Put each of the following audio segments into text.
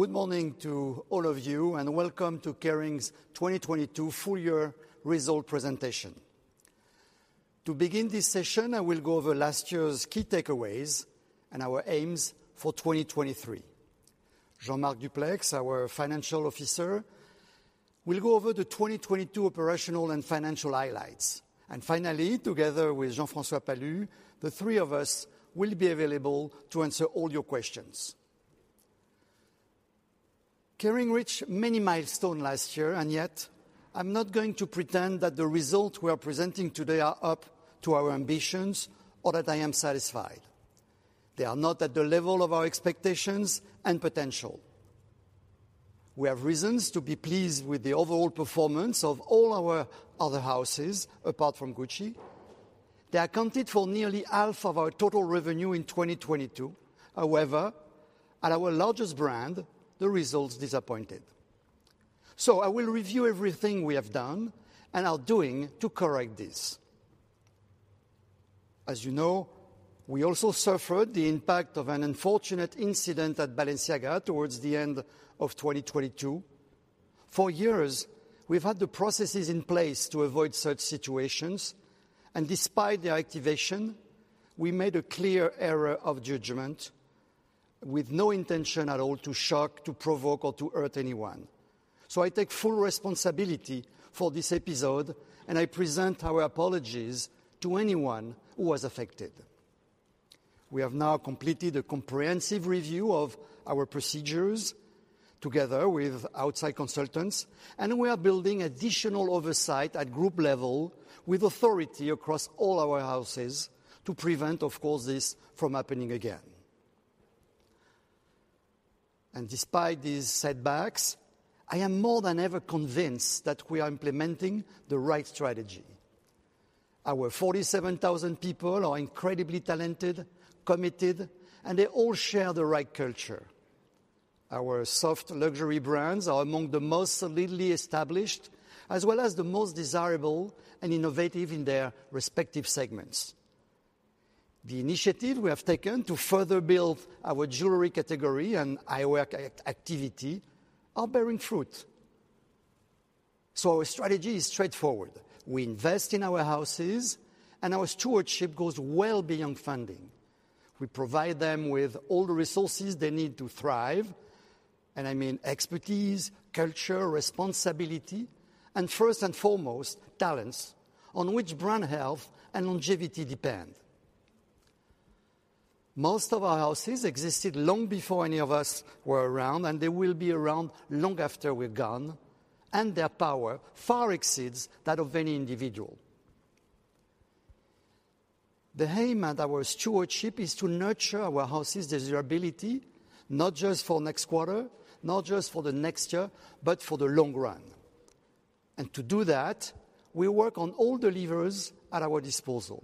Good morning to all of you. Welcome to Kering's 2022 full year result presentation. To begin this session, I will go over last year's key takeaways and our aims for 2023. Jean-Marc Duplaix, our financial officer, will go over the 2022 operational and financial highlights. Finally, together with Jean-François Palus, the three of us will be available to answer all your questions. Kering reached many milestone last year, and yet, I'm not going to pretend that the results we are presenting today are up to our ambitions or that I am satisfied. They are not at the level of our expectations and potential. We have reasons to be pleased with the overall performance of all our other houses, apart from Gucci. They accounted for nearly half of our total revenue in 2022. However, at our largest brand, the results disappointed. I will review everything we have done and are doing to correct this. As you know, we also suffered the impact of an unfortunate incident at Balenciaga towards the end of 2022. For years, we've had the processes in place to avoid such situations, and despite their activation, we made a clear error of judgment with no intention at all to shock, to provoke or to hurt anyone. I take full responsibility for this episode, and I present our apologies to anyone who was affected. We have now completed a comprehensive review of our procedures together with outside consultants, and we are building additional oversight at group level with authority across all our houses to prevent, of course, this from happening again. Despite these setbacks, I am more than ever convinced that we are implementing the right strategy. Our 47,000 people are incredibly talented, committed, and they all share the right culture. Our soft luxury brands are among the most solidly established as well as the most desirable and innovative in their respective segments. The initiative we have taken to further build our jewelry category and eyewear activity are bearing fruit. Our strategy is straightforward. We invest in our houses, and our stewardship goes well beyond funding. We provide them with all the resources they need to thrive, and I mean expertise, culture, responsibility, and first and foremost, talents on which brand health and longevity depend. Most of our houses existed long before any of us were around, and they will be around long after we're gone, and their power far exceeds that of any individual. The aim at our stewardship is to nurture our houses' desirability, not just for next quarter, not just for the next year, but for the long run. To do that, we work on all the levers at our disposal.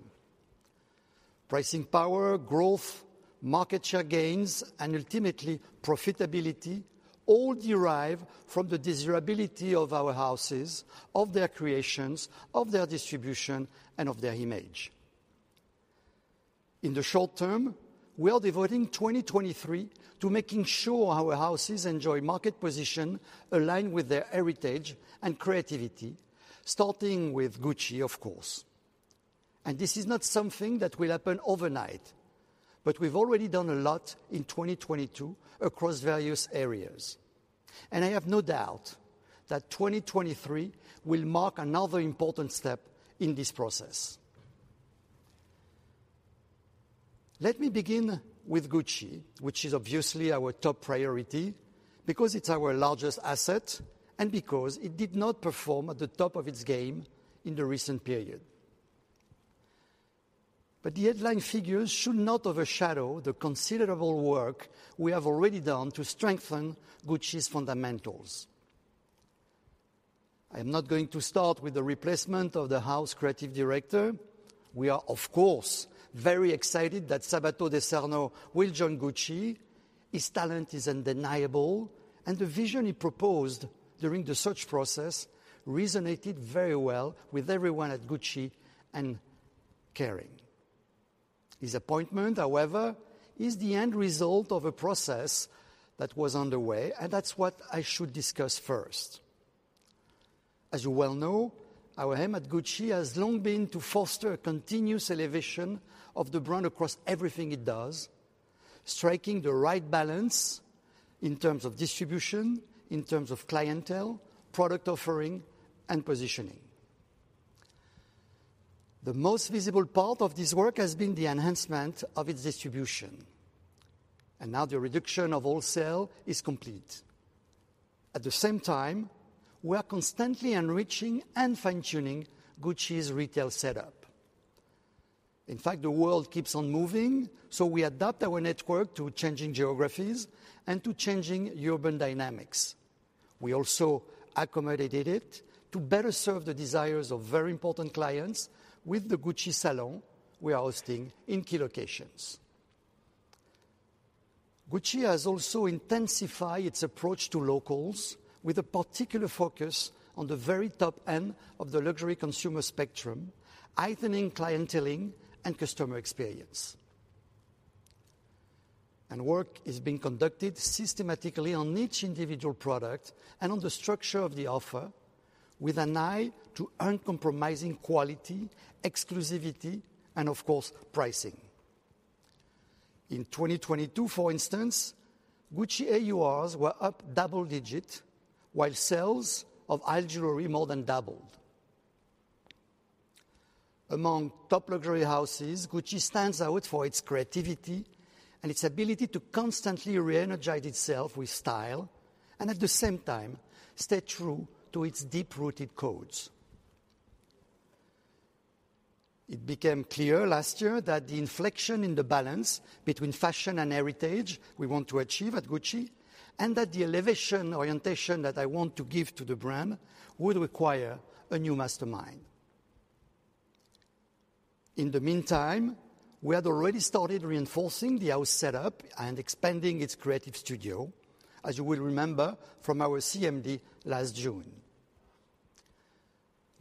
Pricing power, growth, market share gains, and ultimately profitability all derive from the desirability of our houses, of their creations, of their distribution, and of their image. In the short term, we are devoting 2023 to making sure our houses enjoy market position aligned with their heritage and creativity, starting with Gucci, of course. This is not something that will happen overnight, but we've already done a lot in 2022 across various areas. I have no doubt that 2023 will mark another important step in this process. Let me begin with Gucci, which is obviously our top priority because it's our largest asset and because it did not perform at the top of its game in the recent period. The headline figures should not overshadow the considerable work we have already done to strengthen Gucci's fundamentals. I am not going to start with the replacement of the house creative director. We are, of course, very excited that Sabato De Sarno will join Gucci. His talent is undeniable, and the vision he proposed during the search process resonated very well with everyone at Gucci and Kering. His appointment, however, is the end result of a process that was underway, and that's what I should discuss first. As you well know, our aim at Gucci has long been to foster a continuous elevation of the brand across everything it does, striking the right balance in terms of distribution, in terms of clientele, product offering, and positioning. The most visible part of this work has been the enhancement of its distribution, now the reduction of all sale is complete. At the same time, we are constantly enriching and fine-tuning Gucci's retail setup. In fact, the world keeps on moving, we adapt our network to changing geographies and to changing urban dynamics. We also accommodated it to better serve the desires of very important clients with the Gucci Salon we are hosting in key locations. Gucci has also intensify its approach to locals with a particular focus on the very top end of the luxury consumer spectrum, heightening clienteling and customer experience. Work is being conducted systematically on each individual product and on the structure of the offer with an eye to uncompromising quality, exclusivity, and of course, pricing. In 2022, for instance, Gucci AURs were up double digit, while sales of high jewelry more than doubled. Among top luxury houses, Gucci stands out for its creativity and its ability to constantly re-energize itself with style and, at the same time, stay true to its deep-rooted codes. It became clear last year that the inflection in the balance between fashion and heritage we want to achieve at Gucci, and that the elevation orientation that I want to give to the brand, would require a new mastermind. In the meantime, we had already started reinforcing the house setup and expanding its creative studio, as you will remember from our CMD last June.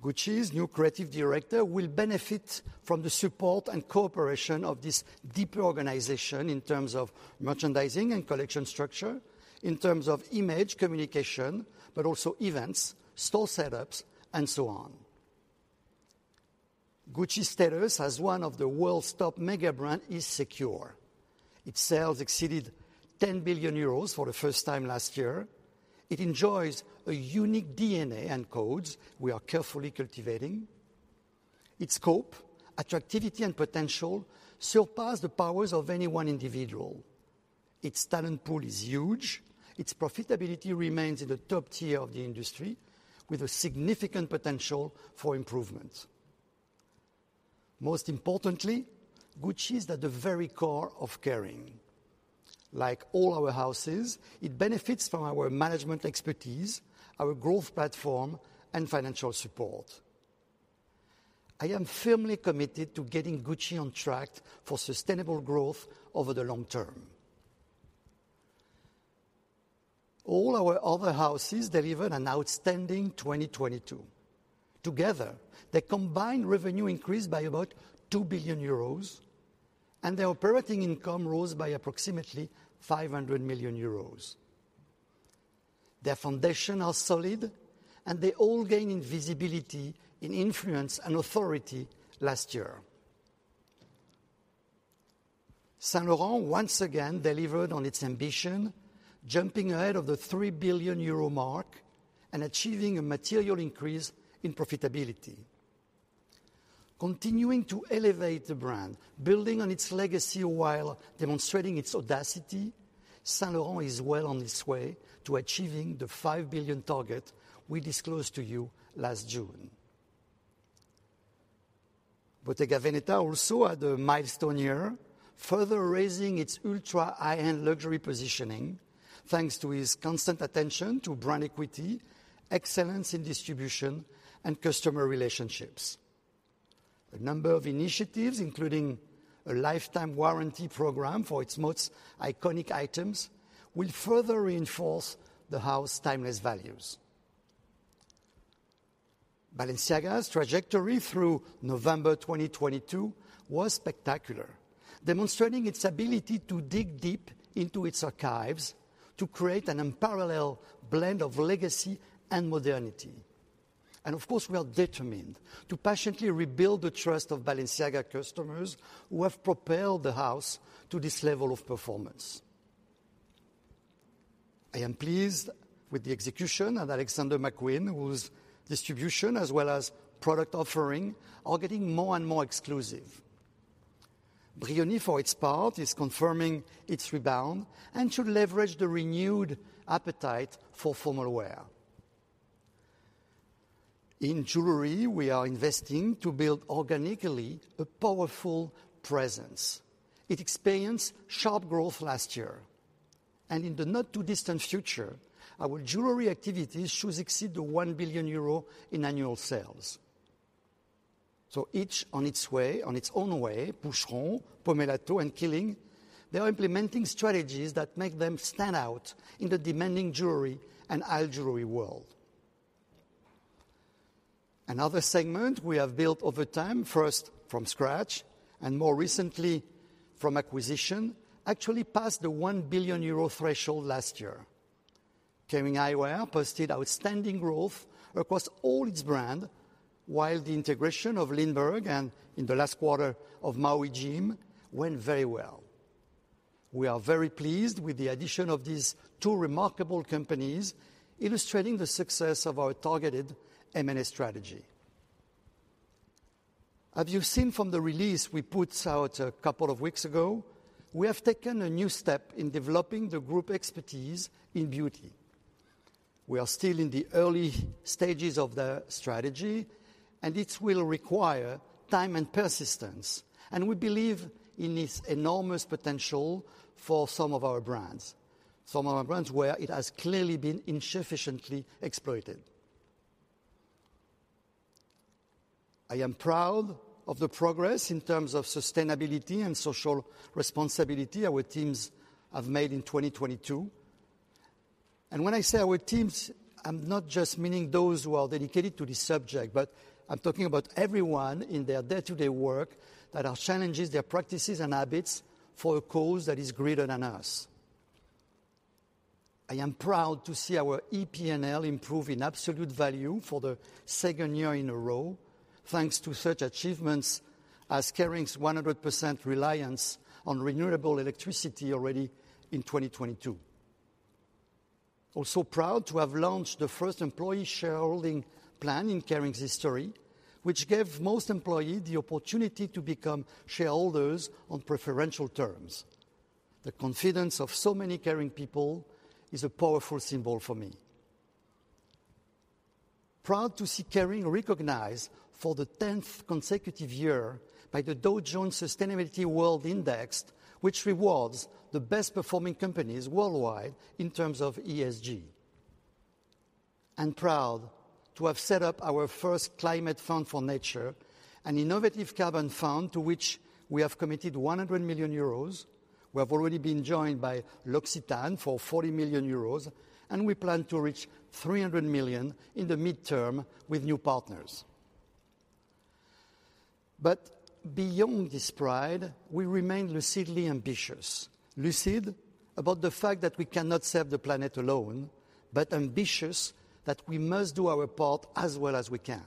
Gucci's new creative director will benefit from the support and cooperation of this deeper organization in terms of merchandising and collection structure, in terms of image communication, but also events, store setups, and so on. Gucci status as one of the world's top mega brand is secure. Its sales exceeded 10 billion euros for the first time last year. It enjoys a unique DNA and codes we are carefully cultivating. Its scope, activity, and potential surpass the powers of any one individual. Its talent pool is huge. Its profitability remains in the top tier of the industry with a significant potential for improvement. Most importantly, Gucci is at the very core of Kering. Like all our houses, it benefits from our management expertise, our growth platform, and financial support. I am firmly committed to getting Gucci on track for sustainable growth over the long term. All our other houses delivered an outstanding 2022. Together, their combined revenue increased by about 2 billion euros, and their operating income rose by approximately 500 million euros. Their foundation are solid, and they all gain in visibility in influence and authority last year. Saint Laurent, once again, delivered on its ambition, jumping ahead of the 3 billion euro mark and achieving a material increase in profitability. Continuing to elevate the brand, building on its legacy while demonstrating its audacity, Saint Laurent is well on its way to achieving the 5 billion target we disclosed to you last June. Bottega Veneta also had a milestone year, further raising its ultra-high-end luxury positioning, thanks to its constant attention to brand equity, excellence in distribution, and customer relationships. A number of initiatives, including a lifetime warranty program for its most iconic items, will further reinforce the house timeless values. Balenciaga's trajectory through November 2022 was spectacular, demonstrating its ability to dig deep into its archives to create an unparalleled blend of legacy and modernity. Of course, we are determined to passionately rebuild the trust of Balenciaga customers who have propelled the house to this level of performance. I am pleased with the execution at Alexander McQueen, whose distribution as well as product offering are getting more and more exclusive. Brioni, for its part, is confirming its rebound and should leverage the renewed appetite for formal wear. In jewelry, we are investing to build organically a powerful presence. It experienced sharp growth last year. In the not-too-distant future, our jewelry activities should exceed 1 billion euro in annual sales. Each on its own way, Boucheron, Pomellato, and Qeelin, they are implementing strategies that make them stand out in the demanding jewelry and high jewelry world. Another segment we have built over time, first from scratch and more recently from acquisition, actually passed the 1 billion euro threshold last year. Kering Eyewear posted outstanding growth across all its brand while the integration of LINDBERG and, in the last quarter, of Maui Jim went very well. We are very pleased with the addition of these two remarkable companies, illustrating the success of our targeted M&A strategy. As you've seen from the release we put out a couple of weeks ago, we have taken a new step in developing the group expertise in beauty. We are still in the early stages of the strategy, and it will require time and persistence, and we believe in its enormous potential for some of our brands where it has clearly been insufficiently exploited. I am proud of the progress in terms of sustainability and social responsibility our teams have made in 2022. When I say our teams, I'm not just meaning those who are dedicated to this subject, but I'm talking about everyone in their day-to-day work that are challenges their practices and habits for a cause that is greater than us. I am proud to see our EP&L improve in absolute value for the second year in a row thanks to such achievements as Kering's 100% reliance on renewable electricity already in 2022. Also proud to have launched the first employee shareholding plan in Kering's history, which gave most employee the opportunity to become shareholders on preferential terms. The confidence of so many Kering people is a powerful symbol for me. Proud to see Kering recognized for the 10th consecutive year by the Dow Jones Sustainability World Index, which rewards the best-performing companies worldwide in terms of ESG. Proud to have set up our first climate fund for nature, an innovative carbon fund to which we have committed 100 million euros. We have already been joined by L'Occitane for 40 million euros, and we plan to reach 300 million in the midterm with new partners. Beyond this pride, we remain lucidly ambitious. Lucid about the fact that we cannot save the planet alone, but ambitious that we must do our part as well as we can.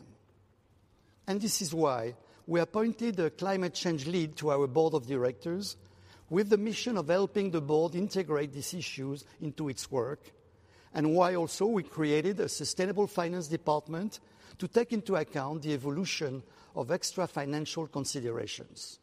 This is why we appointed a climate change lead to our board of directors with the mission of helping the board integrate these issues into its work, and why also we created a sustainable finance department to take into account the evolution of extra financial considerations.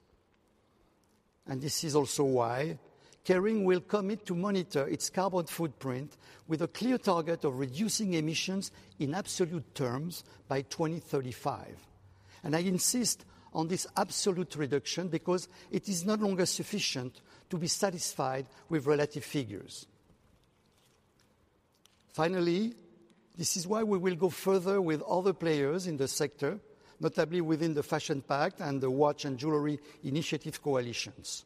This is also why Kering will commit to monitor its carbon footprint with a clear target of reducing emissions in absolute terms by 2035. I insist on this absolute reduction because it is no longer sufficient to be satisfied with relative figures. Finally, this is why we will go further with other players in the sector, notably within the Fashion Pact and the Watch & Jewellery Initiative coalitions.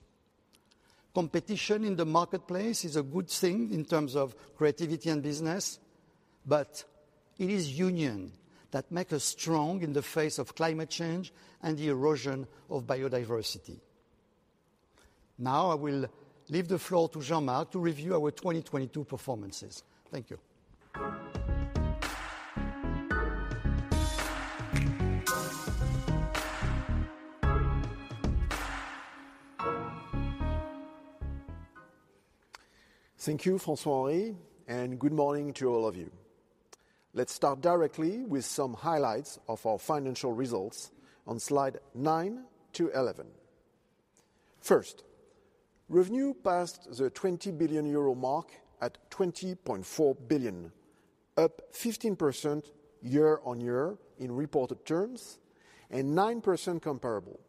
Competition in the marketplace is a good thing in terms of creativity and business, but it is union that make us strong in the face of climate change and the erosion of biodiversity. Now I will leave the floor to Jean-Marc to review our 2022 performances. Thank you. Thank you, François-Henri. Good morning to all of you. Let's start directly with some highlights of our financial results on slide 9 to 11. First, revenue passed the 20 billion euro mark at 20.4 billion, up 15% year-on-year in reported terms and 9% comparable.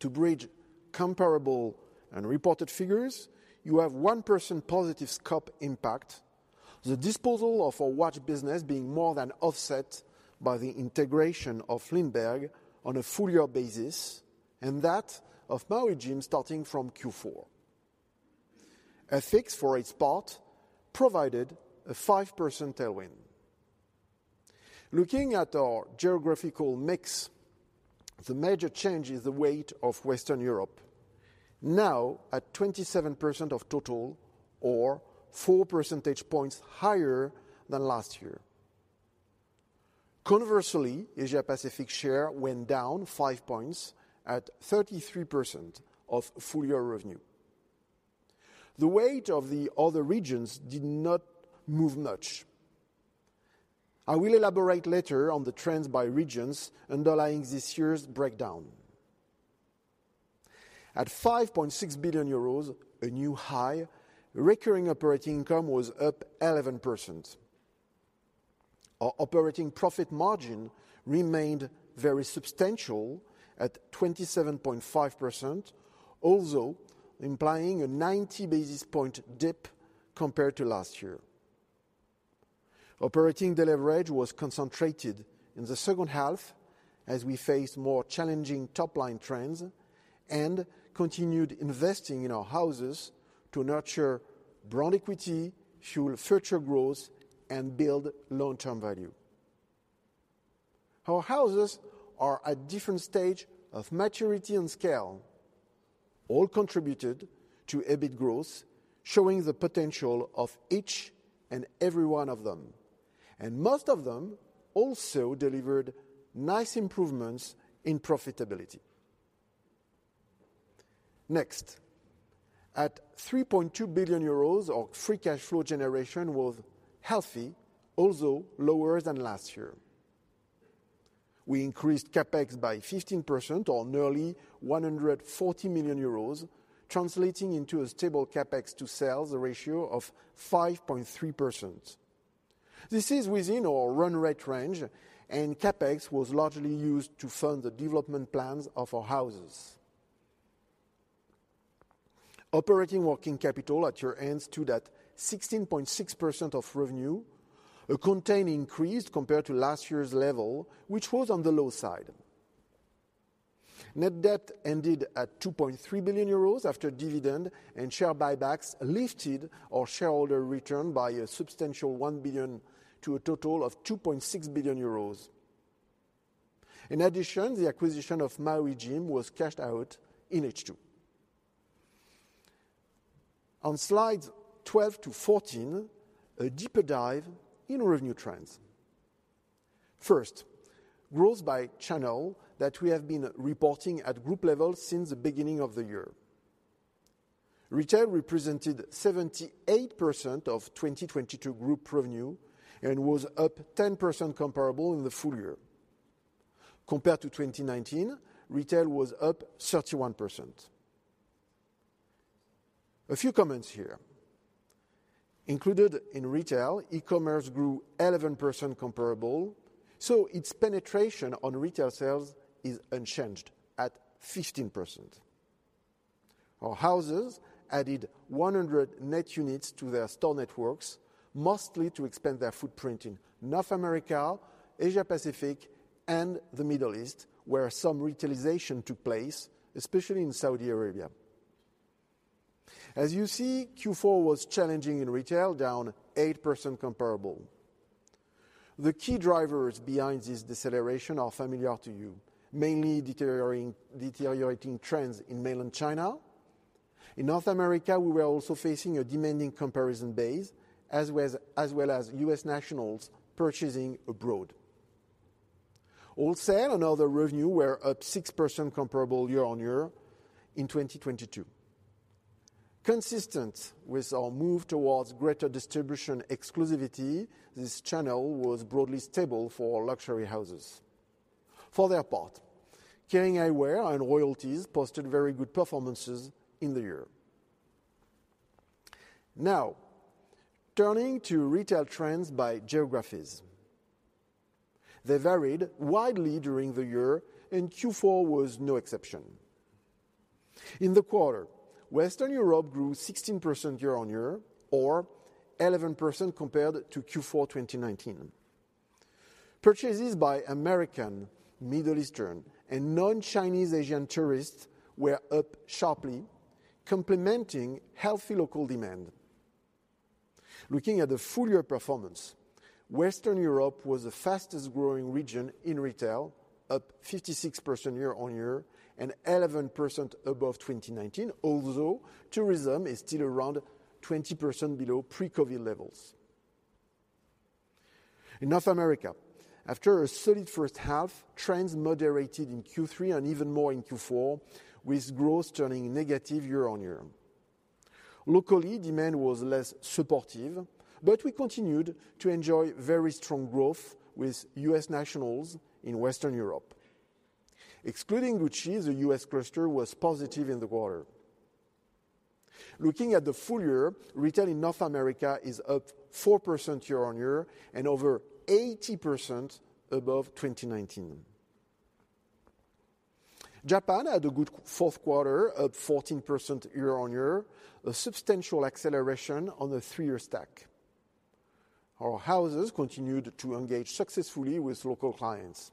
To bridge comparable and reported figures, you have 1% positive scope impact, the disposal of our watch business being more than offset by the integration of LINDBERG on a full year basis and that of Maui Jim starting from Q4. FX for its part, provided a 5% tailwind. Looking at our geographical mix, the major change is the weight of Western Europe. Now, at 27% of total or 4 percentage points higher than last year. Conversely, Asia Pacific share went down 5 points at 33% of full year revenue. The weight of the other regions did not move much. I will elaborate later on the trends by regions underlying this year's breakdown. At 5.6 billion euros, a new high, recurring operating income was up 11%. Our operating profit margin remained very substantial at 27.5%, also implying a 90 basis point dip compared to last year. Operating deleverage was concentrated in the second half as we face more challenging top-line trends and continued investing in our houses to nurture brand equity, fuel future growth, and build long-term value. Our houses are at different stage of maturity and scale, all contributed to EBIT growth, showing the potential of each and every one of them. Most of them also delivered nice improvements in profitability. Next, at 3.2 billion euros, our free cash flow generation was healthy, also lower than last year. We increased CapEx by 15% or nearly 140 million euros, translating into a stable CapEx to sales ratio of 5.3%. This is within our run rate range. CapEx was largely used to fund the development plans of our houses. Operating working capital at year-end stood at 16.6% of revenue, a contained increase compared to last year's level, which was on the low side. Net debt ended at 2.3 billion euros after dividend and share buybacks lifted our shareholder return by a substantial 1 billion to a total of 2.6 billion euros. In addition, the acquisition of Maui Jim was cashed out in H2. On slides 12 to 14, a deeper dive in revenue trends. Growth by channel that we have been reporting at group level since the beginning of the year. Retail represented 78% of 2022 group revenue and was up 10% comparable in the full year. Compared to 2019, retail was up 31%. A few comments here. Included in retail, e-commerce grew 11% comparable, so its penetration on retail sales is unchanged at 15%. Our houses added 100 net units to their store networks, mostly to expand their footprint in North America, Asia-Pacific, and the Middle East, where some retailization took place, especially in Saudi Arabia. As you see, Q4 was challenging in retail, down 8% comparable. The key drivers behind this deceleration are familiar to you, mainly deteriorating trends in mainland China. In North America, we were also facing a demanding comparison base, as well as U.S. nationals purchasing abroad. Wholesale and other revenue were up 6% comparable year-on-year in 2022. Consistent with our move towards greater distribution exclusivity, this channel was broadly stable for luxury houses. For their part, Kering Eyewear and Royalties posted very good performances in the year. Turning to retail trends by geographies. They varied widely during the year, and Q4 was no exception. In the quarter, Western Europe grew 16% year-on-year or 11% compared to Q4 2019. Purchases by American, Middle Eastern, and non-Chinese Asian tourists were up sharply, complementing healthy local demand. Looking at the full-year performance, Western Europe was the fastest-growing region in retail, up 56% year-on-year and 11% above 2019, although tourism is still around 20% below pre-COVID levels. In North America, after a solid first half, trends moderated in Q3 and even more in Q4, with growth turning negative year-on-year. Locally, demand was less supportive, but we continued to enjoy very strong growth with U.S. nationals in Western Europe. Excluding Gucci, the U.S. cluster was positive in the quarter. Looking at the full year, retail in North America is up 4% year-on-year and over 80% above 2019. Japan had a good fourth quarter, up 14% year-on-year, a substantial acceleration on the three-year stack. Our houses continued to engage successfully with local clients.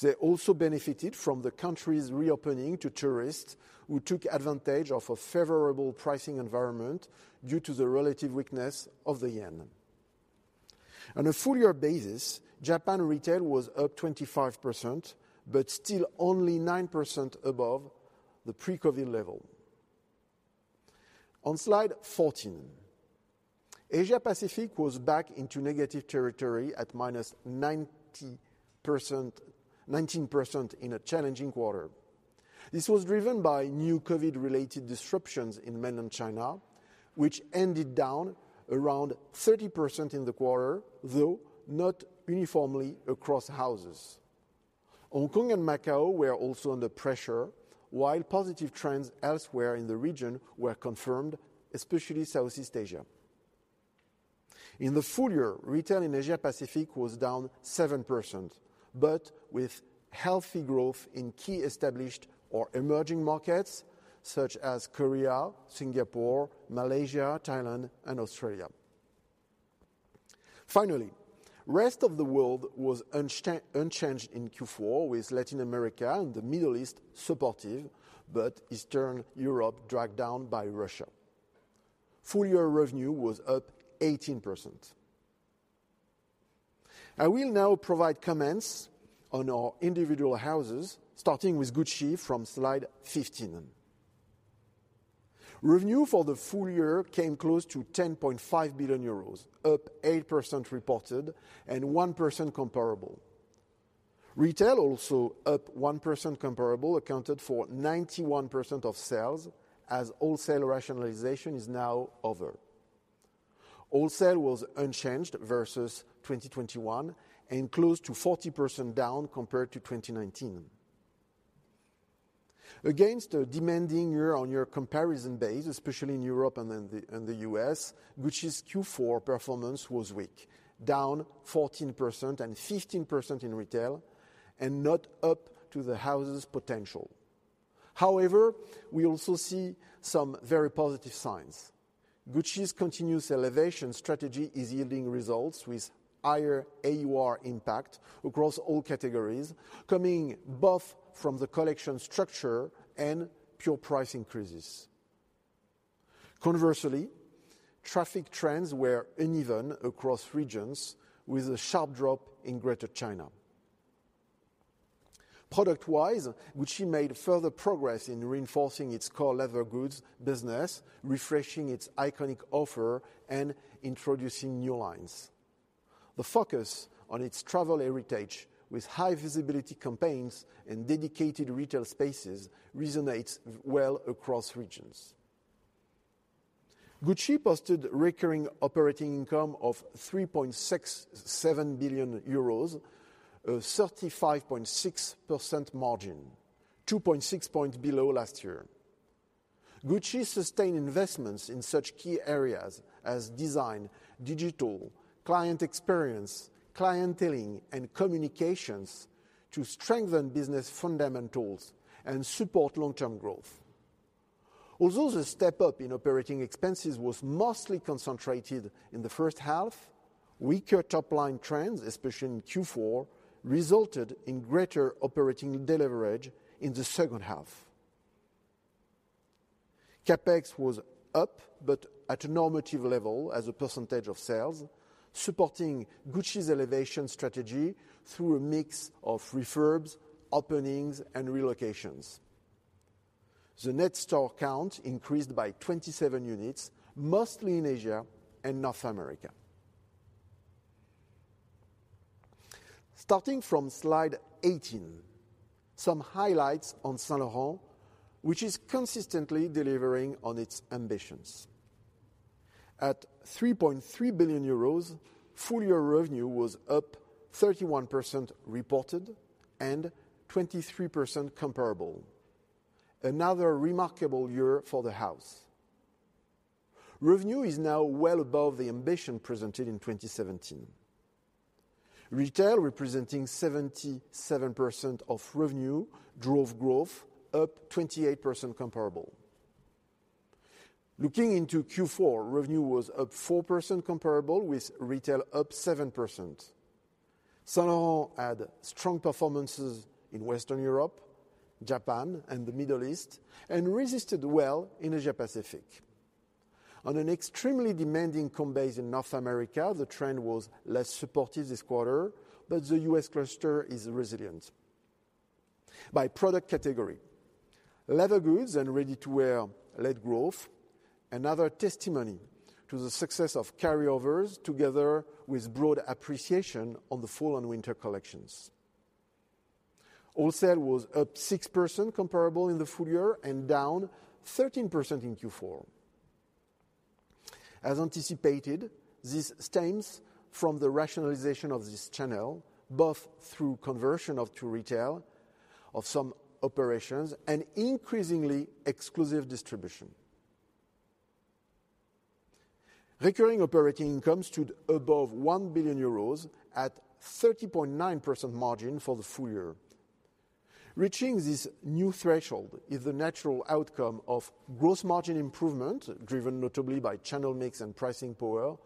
They also benefited from the country's reopening to tourists who took advantage of a favorable pricing environment due to the relative weakness of the yen. On a full-year basis, Japan retail was up 25%, but still only 9% above the pre-COVID level. On slide 14, Asia-Pacific was back into negative territory at -19% in a challenging quarter. This was driven by new COVID-related disruptions in mainland China, which ended down around 30% in the quarter, though not uniformly across houses. Hong Kong and Macao were also under pressure, while positive trends elsewhere in the region were confirmed, especially Southeast Asia. In the full year, retail in Asia-Pacific was down 7%, but with healthy growth in key established or emerging markets such as Korea, Singapore, Malaysia, Thailand, and Australia. Finally, rest of the world was unchanged in Q4, with Latin America and the Middle East supportive, but Eastern Europe dragged down by Russia. Full-year revenue was up 18%. I will now provide comments on our individual houses, starting with Gucci from slide 15. Revenue for the full year came close to 10.5 billion euros, up 8% reported and 1% comparable. Retail also up 1% comparable accounted for 91% of sales as wholesale rationalization is now over. Wholesale was unchanged versus 2021 and close to 40% down compared to 2019. Against a demanding year-on-year comparison base, especially in Europe and in the U.S., Gucci's Q4 performance was weak, down 14% and 15% in retail and not up to the house's potential. We also see some very positive signs. Gucci's continuous elevation strategy is yielding results with higher AUR impact across all categories, coming both from the collection structure and pure price increases. Traffic trends were uneven across regions with a sharp drop in Greater China. Product-wise, Gucci made further progress in reinforcing its core leather goods business, refreshing its iconic offer, and introducing new lines. The focus on its travel heritage with high-visibility campaigns and dedicated retail spaces resonates well across regions. Gucci posted recurring operating income of 3.67 billion euros, a 35.6% margin, 2.6 points below last year. Gucci sustained investments in such key areas as design, digital, client experience, clienteling, and communications to strengthen business fundamentals and support long-term growth. Although the step-up in operating expenses was mostly concentrated in the first half, weaker top-line trends, especially in Q4, resulted in greater operating deleverage in the second half. CapEx was up, but at a normative level as a percentage of sales, supporting Gucci's elevation strategy through a mix of refurbs, openings, and relocations. The net store count increased by 27 units, mostly in Asia and North America. Starting from slide 18, some highlights on Saint Laurent, which is consistently delivering on its ambitions. At 3.3 billion euros, full-year revenue was up 31% reported and 23% comparable. Another remarkable year for the house. Revenue is now well above the ambition presented in 2017. Retail representing 77% of revenue drove growth up 28% comparable. Looking into Q4, revenue was up 4% comparable with retail up 7%. Saint Laurent had strong performances in Western Europe, Japan, and the Middle East, and resisted well in Asia-Pacific. On an extremely demanding comp base in North America, the trend was less supportive this quarter, but the U.S. cluster is resilient. By product category, leather goods and ready-to-wear led growth, another testimony to the success of carryovers together with broad appreciation on the fall and winter collections. Wholesale was up 6% comparable in the full year and down 13% in Q4. As anticipated, this stems from the rationalization of this channel, both through conversion to retail of some operations and increasingly exclusive distribution. Recurring operating income stood above 1 billion euros at 30.9% margin for the full year. Reaching this new threshold is the natural outcome of gross margin improvement, driven notably by channel mix and pricing power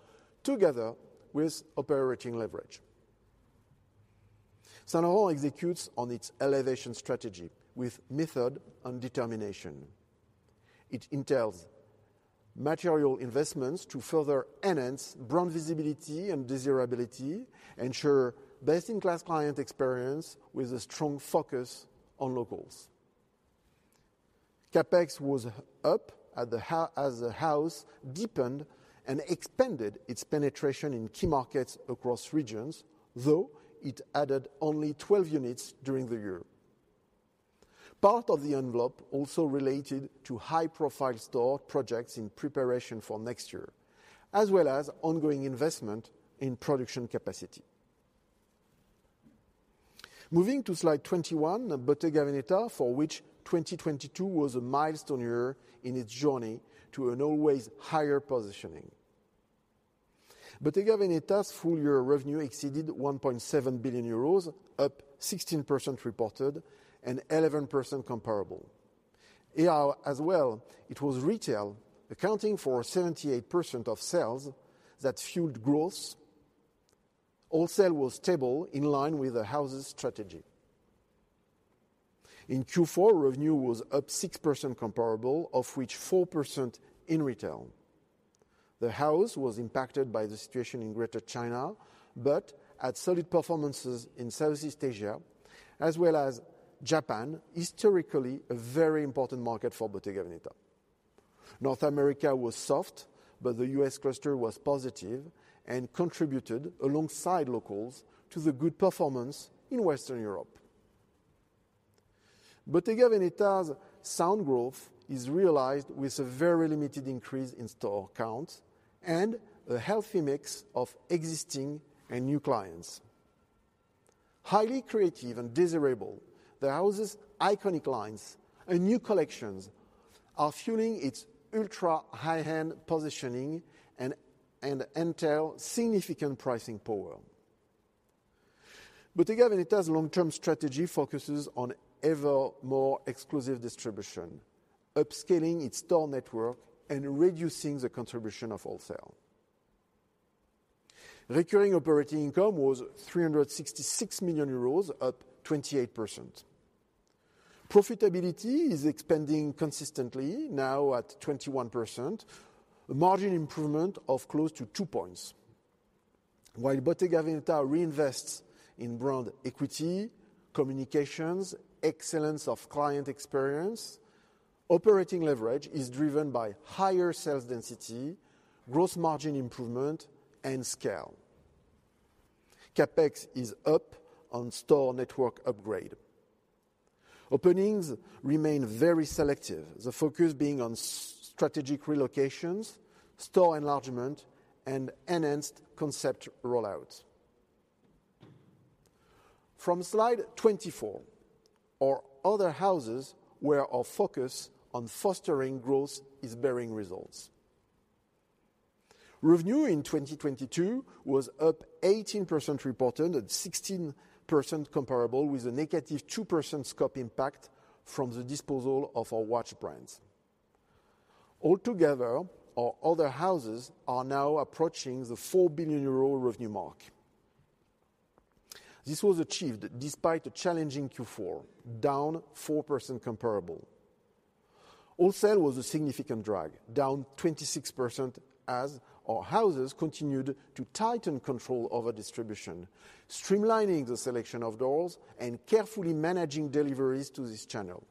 together with operating leverage. Saint Laurent executes on its elevation strategy with method and determination. It entails material investments to further enhance brand visibility and desirability, ensure best-in-class client experience with a strong focus on locals. CapEx was up as the house deepened and expanded its penetration in key markets across regions, though it added only 12 units during the year. Part of the envelope also related to high-profile store projects in preparation for next year, as well as ongoing investment in production capacity. Moving to slide 21, Bottega Veneta, for which 2022 was a milestone year in its journey to an always higher positioning. Bottega Veneta's full-year revenue exceeded 1.7 billion euros, up 16% reported and 11% comparable. Here as well, it was retail accounting for 78% of sales that fueled growth. Wholesale was stable in line with the house's strategy. In Q4, revenue was up 6% comparable, of which 4% in retail. The house was impacted by the situation in Greater China, but had solid performances in Southeast Asia as well as Japan, historically a very important market for Bottega Veneta. North America was soft, but the U.S. cluster was positive and contributed alongside locals to the good performance in Western Europe. Bottega Veneta's sound growth is realized with a very limited increase in store count and a healthy mix of existing and new clients. Highly creative and desirable, the house's iconic lines and new collections are fueling its ultra-high-end positioning and entail significant pricing power. Bottega Veneta's long-term strategy focuses on ever more exclusive distribution, upscaling its store network, and reducing the contribution of wholesale. Recurring operating income was 366 million euros, up 28%. Profitability is expanding consistently now at 21%. The margin improvement of close to 2 points. While Bottega Veneta reinvests in brand equity, communications, excellence of client experience, operating leverage is driven by higher sales density, gross margin improvement, and scale. CapEx is up on store network upgrade. Openings remain very selective, the focus being on strategic relocations, store enlargement, and enhanced concept roll-outs. From slide 24. Our other houses where our focus on fostering growth is bearing results. Revenue in 2022 was up 18% reported and 16% comparable with a -2% scope impact from the disposal of our watch brands. Altogether, our other houses are now approaching the 4 billion euro revenue mark. This was achieved despite a challenging Q4, down 4% comparable. Wholesale was a significant drag, down 26% as our houses continued to tighten control over distribution, streamlining the selection of doors, and carefully managing deliveries to this channel.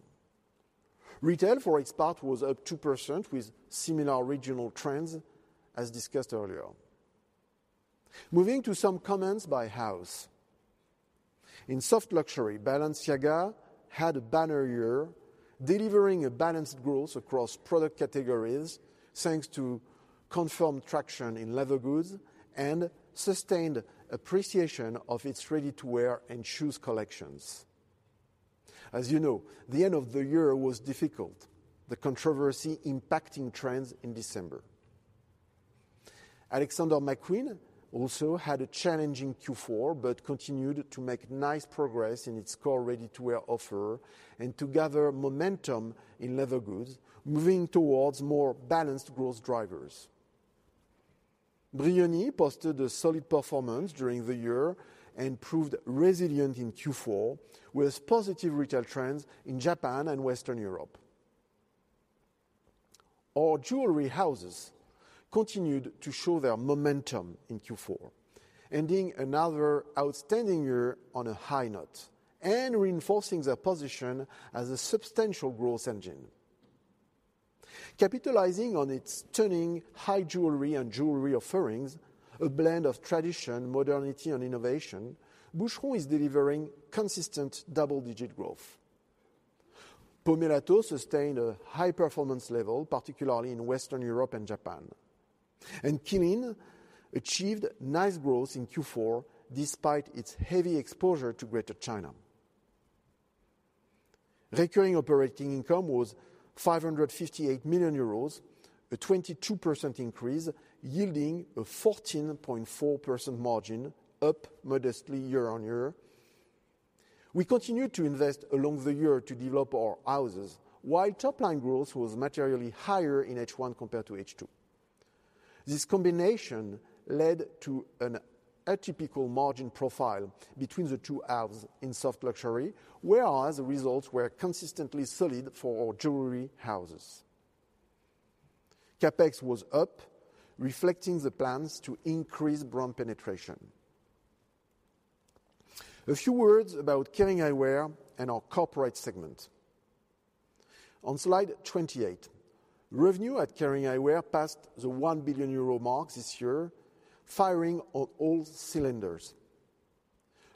Retail, for its part, was up 2% with similar regional trends as discussed earlier. Moving to some comments by house. In soft luxury, Balenciaga had a banner year, delivering a balanced growth across product categories, thanks to confirmed traction in leather goods and sustained appreciation of its ready-to-wear and shoes collections. As you know, the end of the year was difficult, the controversy impacting trends in December. Alexander McQueen also had a challenging Q four but continued to make nice progress in its core ready-to-wear offer and to gather momentum in leather goods, moving towards more balanced growth drivers. Brioni posted a solid performance during the year and proved resilient in Q four, with positive retail trends in Japan and Western Europe. Our jewelry houses continued to show their momentum in Q four, ending another outstanding year on a high note and reinforcing their position as a substantial growth engine. Capitalizing on its turning high jewelry and jewelry offerings, a blend of tradition, modernity, and innovation, Boucheron is delivering consistent double-digit growth. Pomellato sustained a high-performance level, particularly in Western Europe and Japan. Qeelin achieved nice growth in Q four despite its heavy exposure to Greater China. Recurring operating income was 558 million euros, a 22% increase, yielding a 14.4% margin, up modestly year-on-year. We continued to invest along the year to develop our houses, while top-line growth was materially higher in H1 compared to H2. This combination led to an atypical margin profile between the two halves in soft luxury, whereas the results were consistently solid for our jewelry houses. CapEx was up, reflecting the plans to increase brand penetration. A few words about Kering Eyewear and our corporate segment. On slide 28, revenue at Kering Eyewear passed the 1 billion euro mark this year, firing on all cylinders.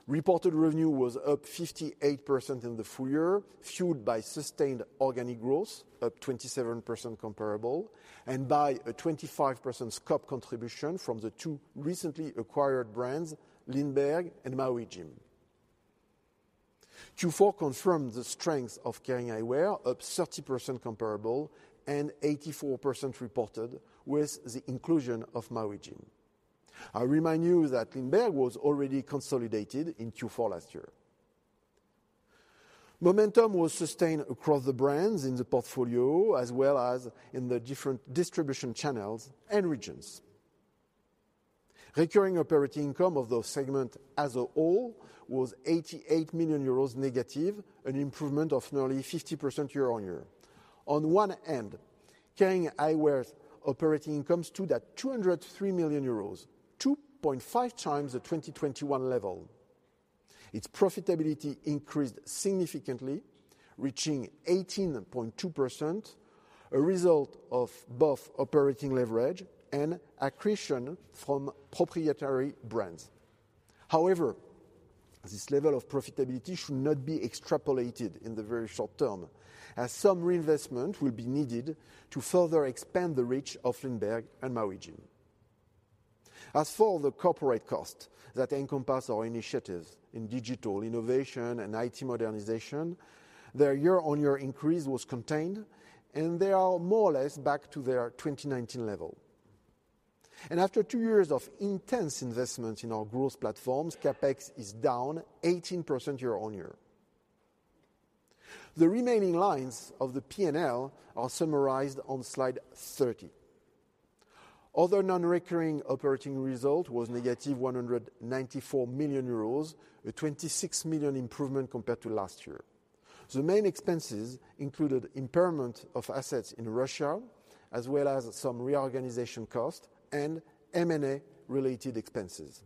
Reported revenue was up 58% in the full year, fueled by sustained organic growth, up 27% comparable, and by a 25% scope contribution from the two recently acquired brands, LINDBERG and Maui Jim. Q4 confirmed the strength of Kering Eyewear, up 30% comparable and 84% reported with the inclusion of Maui Jim. I remind you that LINDBERG was already consolidated in Q4 last year. Momentum was sustained across the brands in the portfolio, as well as in the different distribution channels and regions. Recurring operating income of the segment as a whole was 88 million euros negative, an improvement of nearly 50% year-on-year. On one end, Kering Eyewear's operating income stood at EUR 203 million, 2.5x the 2021 level. Its profitability increased significantly, reaching 18.2%, a result of both operating leverage and accretion from proprietary brands. However, this level of profitability should not be extrapolated in the very short term, as some reinvestment will be needed to further expand the reach of LINDBERG and Maui Jim. As for the corporate costs that encompass our initiatives in digital innovation and IT modernization, their year-on-year increase was contained. They are more or less back to their 2019 level. After two years of intense investment in our growth platforms, CapEx is down 18% year-on-year. The remaining lines of the P&L are summarized on slide 30. Other non-recurring operating result was negative 194 million euros, a 26 million improvement compared to last year. The main expenses included impairment of assets in Russia, as well as some reorganization costs and M&A-related expenses.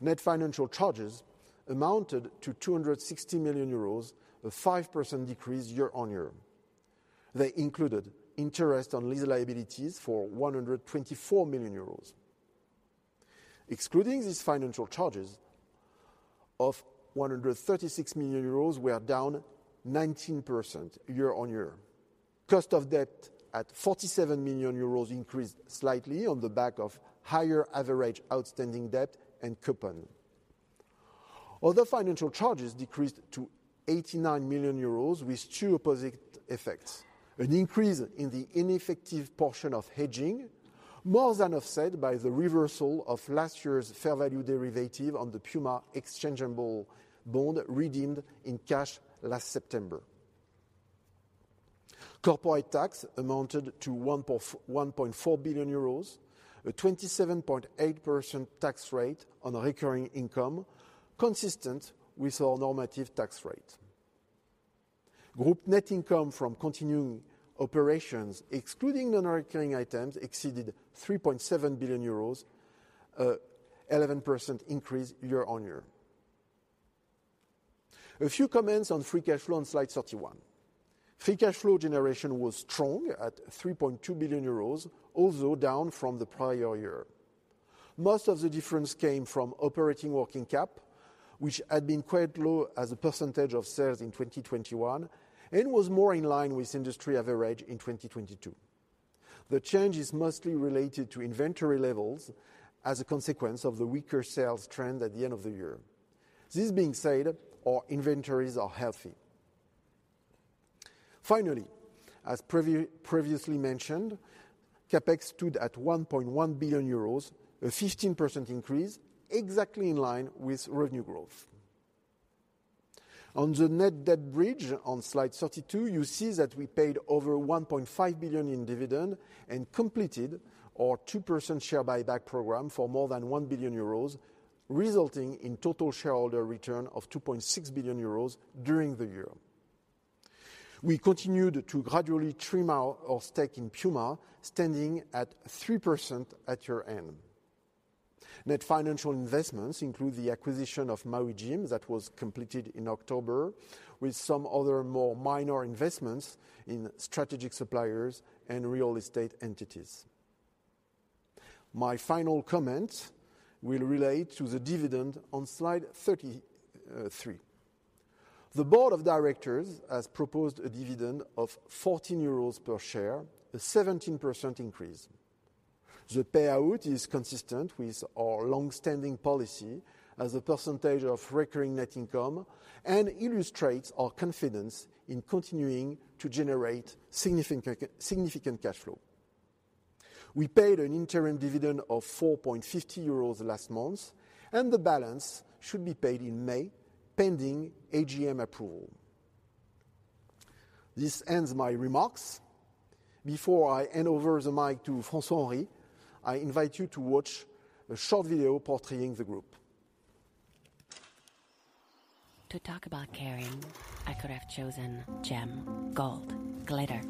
Net financial charges amounted to 260 million euros, a 5% decrease year-on-year. They included interest on lease liabilities for 124 million euros. Excluding these financial charges of 136 million euros, we are down 19% year-on-year. Cost of debt at 47 million euros increased slightly on the back of higher average outstanding debt and coupon. Other financial charges decreased to 89 million euros with two opposite effects. An increase in the ineffective portion of hedging, more than offset by the reversal of last year's fair value derivative on the Puma exchangeable bond redeemed in cash last September. Corporate tax amounted to 1.4 billion euros, a 27.8% tax rate on recurring income, consistent with our normative tax rate. Group net income from continuing operations, excluding non-recurring items, exceeded EUR 3.7 billion, an 11% increase year-on-year. A few comments on free cash flow on slide 31. Free cash flow generation was strong at 3.2 billion euros, although down from the prior year. Most of the difference came from operating working cap, which had been quite low as a percentage of sales in 2021, and was more in line with industry average in 2022. The change is mostly related to inventory levels as a consequence of the weaker sales trend at the end of the year. This being said, our inventories are healthy. Finally, as previously mentioned, CapEx stood at 1.1 billion euros, a 15% increase, exactly in line with revenue growth. On the net debt bridge on slide 32, you see that we paid over 1.5 billion in dividend and completed our 2% share buyback program for more than 1 billion euros, resulting in total shareholder return of 2.6 billion euros during the year. We continued to gradually trim our stake in Puma, standing at 3% at year-end. Net financial investments include the acquisition of Maui Jim that was completed in October, with some other more minor investments in strategic suppliers and real estate entities. My final comment will relate to the dividend on slide 33. The board of directors has proposed a dividend of 14 euros per share, a 17% increase. The payout is consistent with our long-standing policy as a percentage of recurring net income and illustrates our confidence in continuing to generate significant cash flow. We paid an interim dividend of 4.50 euros last month. The balance should be paid in May, pending AGM approval. This ends my remarks. Before I hand over the mic to François-Henri, I invite you to watch a short video portraying the group. To talk about Kering, I could have chosen gem, gold, glitter.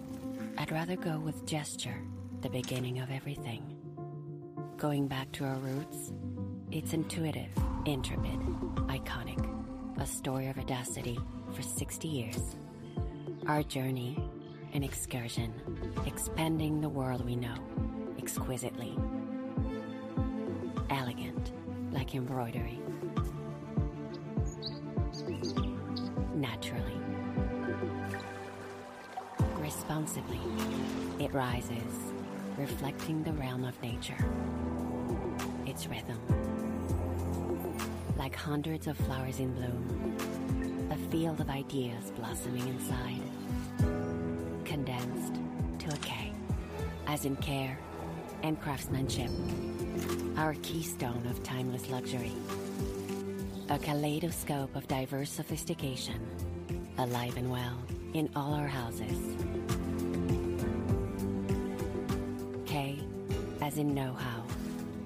I'd rather go with gesture, the beginning of everything. Going back to our roots, it's intuitive, intimate, iconic, a story of audacity for 60 years. Our journey, an excursion, expanding the world we know exquisitely. Elegant, like embroidery. Naturally. Responsibly, it rises, reflecting the realm of nature, its rhythm, like hundreds of flowers in bloom, a field of ideas blossoming inside, condensed to a K, as in care and craftsmanship, our keystone of timeless luxury. A kaleidoscope of diverse sophistication, alive and well in all our houses. K, as in know-how,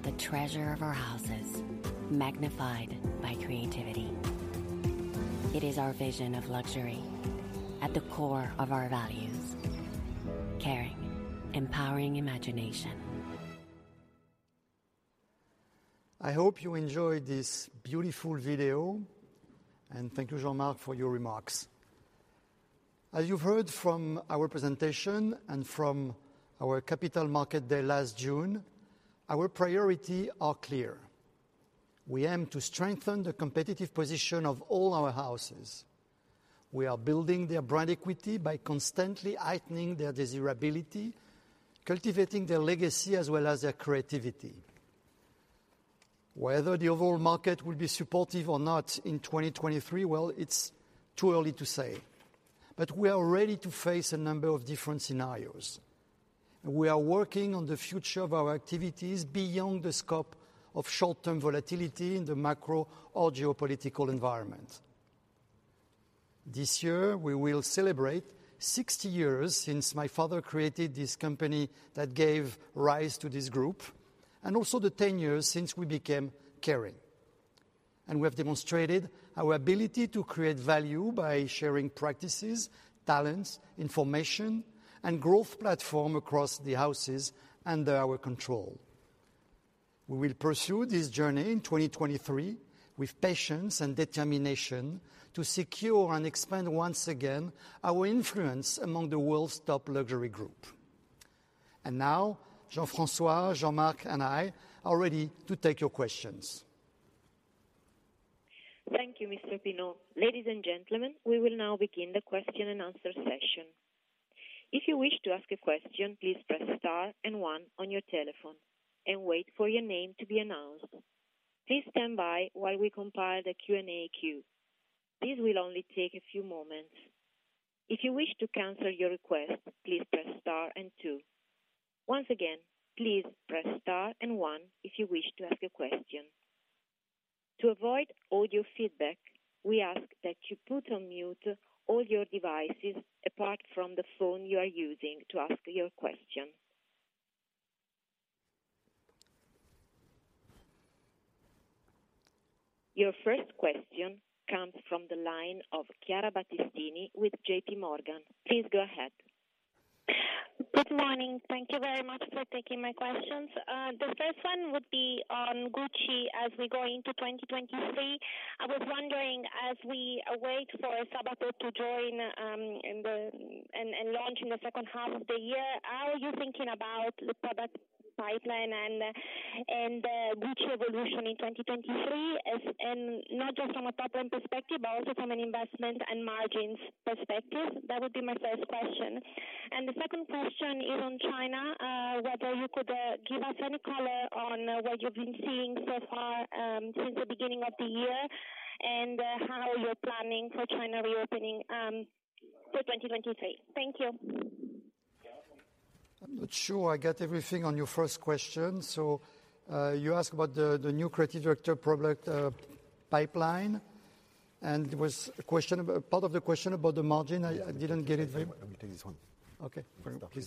the treasure of our houses, magnified by creativity. It is our vision of luxury at the core of our values. Kering, empowering imagination. I hope you enjoyed this beautiful video. Thank you, Jean-Marc, for your remarks. As you've heard from our presentation and from our Capital Markets Day last June, our priority are clear. We aim to strengthen the competitive position of all our houses. We are building their brand equity by constantly heightening their desirability, cultivating their legacy as well as their creativity. Whether the overall market will be supportive or not in 2023, well, it's too early to say. We are ready to face a number of different scenarios. We are working on the future of our activities beyond the scope of short-term volatility in the macro or geopolitical environment. This year, we will celebrate 60 years since my father created this company that gave rise to this group, and also the 10 years since we became Kering. We have demonstrated our ability to create value by sharing practices, talents, information, and growth platform across the houses under our control. We will pursue this journey in 2023 with patience and determination to secure and expand once again our influence among the world's top luxury group. Now, Jean-François, Jean-Marc, and I are ready to take your questions. Thank you, Mr. Pinault. Ladies and gentlemen, we will now begin the question-and-answer session. If you wish to ask a question, please press star and one on your telephone and wait for your name to be announced. Please stand by while we compile the Q&A queue. This will only take a few moments. If you wish to cancel your request, please press star and two. Once again, please press star and one if you wish to ask a question. To avoid audio feedback, we ask that you put on mute all your devices apart from the phone you are using to ask your question. Your first question comes from the line of Chiara Battistini with J.P. Morgan. Please go ahead. Good morning. Thank you very much for taking my questions. The first one would be on Gucci as we go into 2023. I was wondering, as we await for Sabato to join, and launch in the second half of the year, how are you thinking about the product pipeline and Gucci evolution in 2023 as not just from a top-line perspective, but also from an investment and margins perspective? That would be my first question. The second question is on China, whether you could give us any color on what you've been seeing so far since the beginning of the year and how you're planning for China reopening for 2023. Thank you. I'm not sure I got everything on your first question. You asked about the new creative director product pipeline, and there was part of the question about the margin. I didn't get it very-. Let me take this one. Okay. You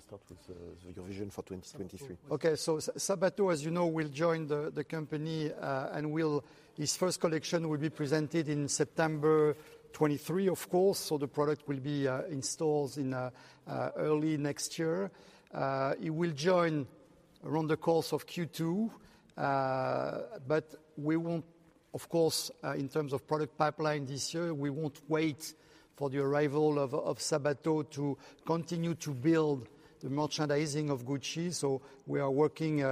start with your vision for 2023. Okay. Sabato, as you know, will join the company, and his first collection will be presented in September 2023, of course, so the product will be in stores early next year. He will join around the course of Q2, but we won't, of course, in terms of product pipeline this year, we won't wait for the arrival of Sabato to continue to build the merchandising of Gucci. We are working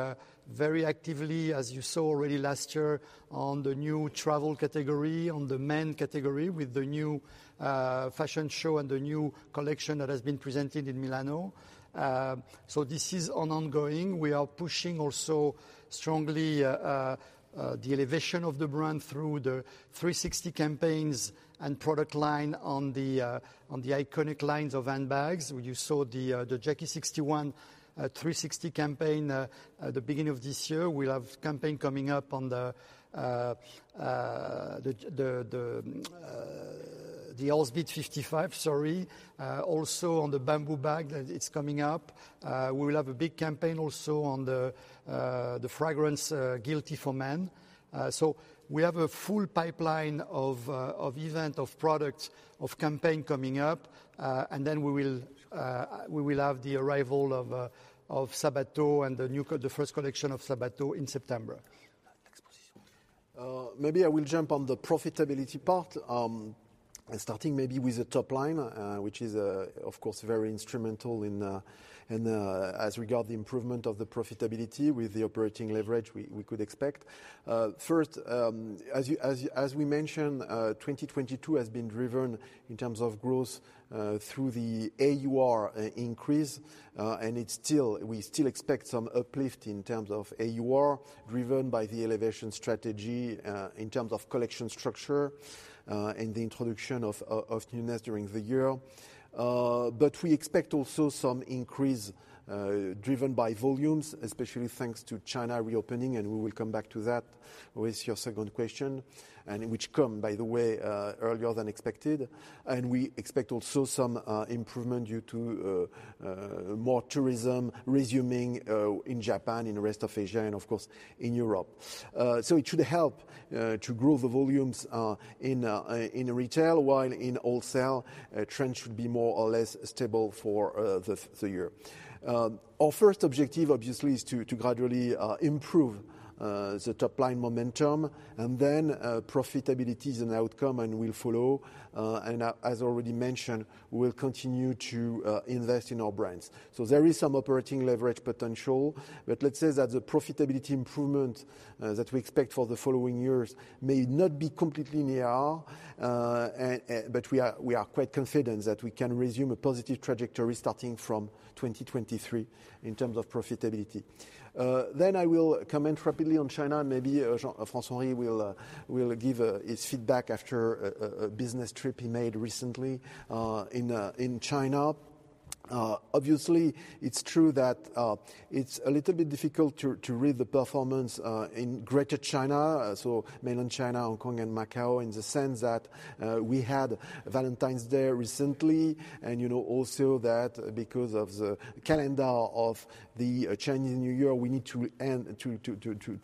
very actively, as you saw already last year, on the new travel category, on the men category, with the new fashion show and the new collection that has been presented in Milano. This is an ongoing. We are pushing also strongly the elevation of the brand through the 360 campaigns and product line on the iconic lines of handbags. You saw the Jackie 1961 360 campaign at the beginning of this year. We have campaign coming up on the Horsebit 1955, sorry. Also on the Bamboo 1947 that it's coming up. We will have a big campaign also on the fragrance, Guilty for Men. We have a full pipeline of event, of products, of campaign coming up, and then we will have the arrival of Sabato and the first collection of Sabato in September. Maybe I will jump on the profitability part, starting maybe with the top line, which is, of course, very instrumental in as regard the improvement of the profitability with the operating leverage we could expect. First, as we mentioned, 2022 has been driven in terms of growth through the AUR increase, and we still expect some uplift in terms of AUR driven by the elevation strategy in terms of collection structure and the introduction of newness during the year. We expect also some increase driven by volumes, especially thanks to China reopening, and we will come back to that with your second question, and which come, by the way, earlier than expected. We expect also some improvement due to more tourism resuming in Japan, in the rest of Asia, and of course, in Europe. It should help to grow the volumes in retail, while in wholesale, trends should be more or less stable for the year. Our first objective obviously is to gradually improve the top-line momentum, profitability is an outcome and will follow. As already mentioned, we'll continue to invest in our brands. There is some operating leverage potential, but let's say that the profitability improvement that we expect for the following years may not be completely near, but we are quite confident that we can resume a positive trajectory starting from 2023 in terms of profitability. I will comment rapidly on China. Maybe Jean-François will give his feedback after a business trip he made recently in China. Obviously it's true that it's a little bit difficult to read the performance in Greater China, so Mainland China, Hong Kong and Macau, in the sense that we had Valentine's Day recently. You know, also that because of the calendar of the Chinese New Year, we need to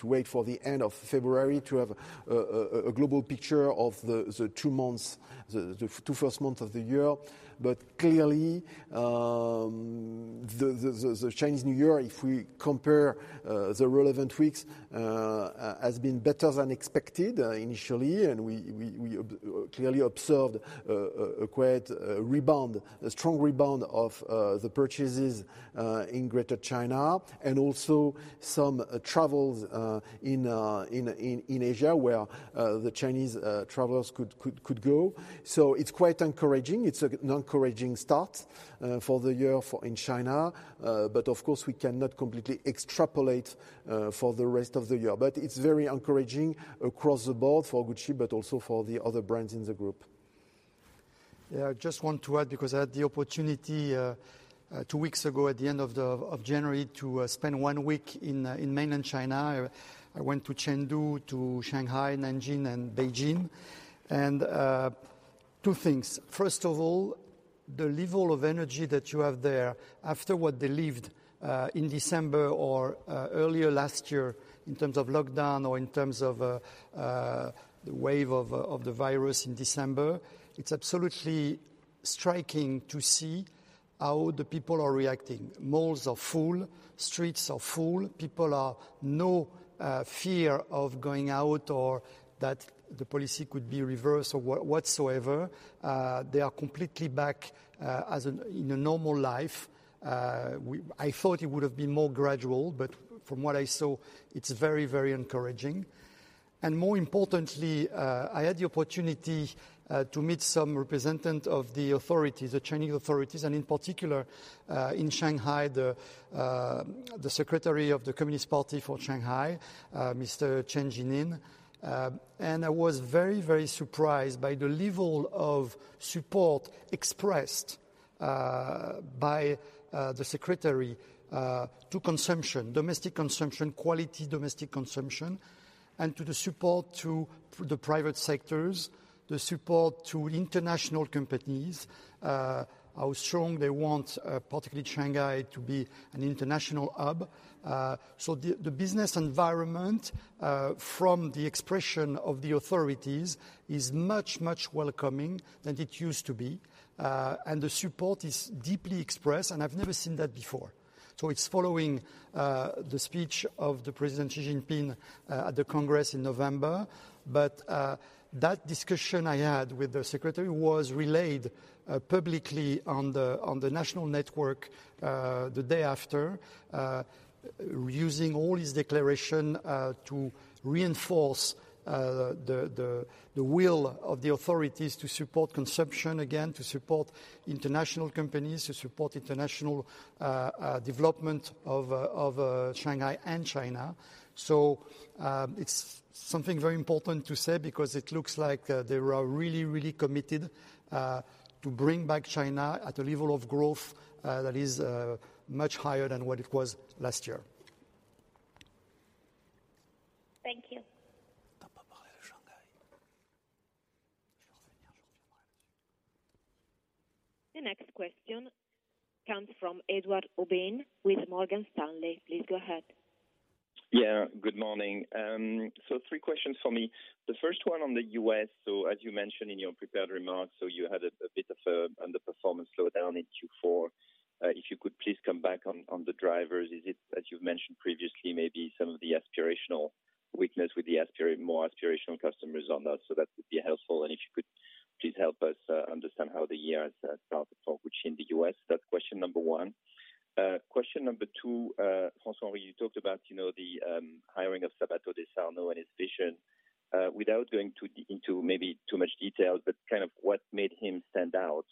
wait for the end of February to have a global picture of the two months, the two first months of the year. Clearly, the Chinese New Year, if we compare the relevant weeks, has been better than expected initially. We clearly observed a quite rebound, a strong rebound of the purchases in Greater China and also some travels in Asia, where the Chinese travelers could go. It's quite encouraging. It's an encouraging start for the year in China. Of course, we cannot completely extrapolate for the rest of the year. It's very encouraging across the board for Gucci, but also for the other brands in the group. Yeah, I just want to add, because I had the opportunity, two weeks ago at the end of January, to spend one week in mainland China. I went to Chengdu, to Shanghai, Nanjing and Beijing. Two things. First of all, the level of energy that you have there after what they lived in December or earlier last year in terms of lockdown or in terms of the wave of the virus in December, it's absolutely striking to see how the people are reacting. Malls are full, streets are full. People are no fear of going out or that the policy could be reversed or whatsoever. They are completely back as in a normal life. I thought it would have been more gradual, from what I saw, it's very, very encouraging. More importantly, I had the opportunity to meet some representatives of the authorities, the Chinese authorities, and in particular, in Shanghai, the secretary of the Communist Party for Shanghai, Mr. Chen Jining. I was very, very surprised by the level of support expressed by the secretary to consumption, domestic consumption, quality domestic consumption, and to the support to the private sectors, the support to international companies, how strong they want, particularly Shanghai, to be an international hub. The business environment, from the expression of the authorities is much, much welcoming than it used to be. The support is deeply expressed, and I've never seen that before. It's following the speech of President Xi Jinping at the Congress in November. That discussion I had with the secretary was relayed publicly on the national network the day after using all his declaration to reinforce the will of the authorities to support consumption again, to support international companies, to support international development of Shanghai and China. It's something very important to say because it looks like they are really committed to bring back China at a level of growth that is much higher than what it was last year. Thank you. The next question comes from Edouard Aubin with Morgan Stanley. Please go ahead. Yeah, good morning. Three questions for me. The first one on the U.S. As you mentioned in your prepared remarks, you had a bit of an underperformance slowdown in Q4. If you could please come back on the drivers. Is it, as you've mentioned previously, maybe some of the aspirational weakness with the more aspirational customers on that? That would be helpful, and if you could please help us understand how the year has started for Gucci in the U.S. That's question number 1. Question number 2, François-Henri, you talked about, you know, the hiring of Sabato De Sarno and his vision. Without going too deep into maybe too much detail, but kind of what made him stand out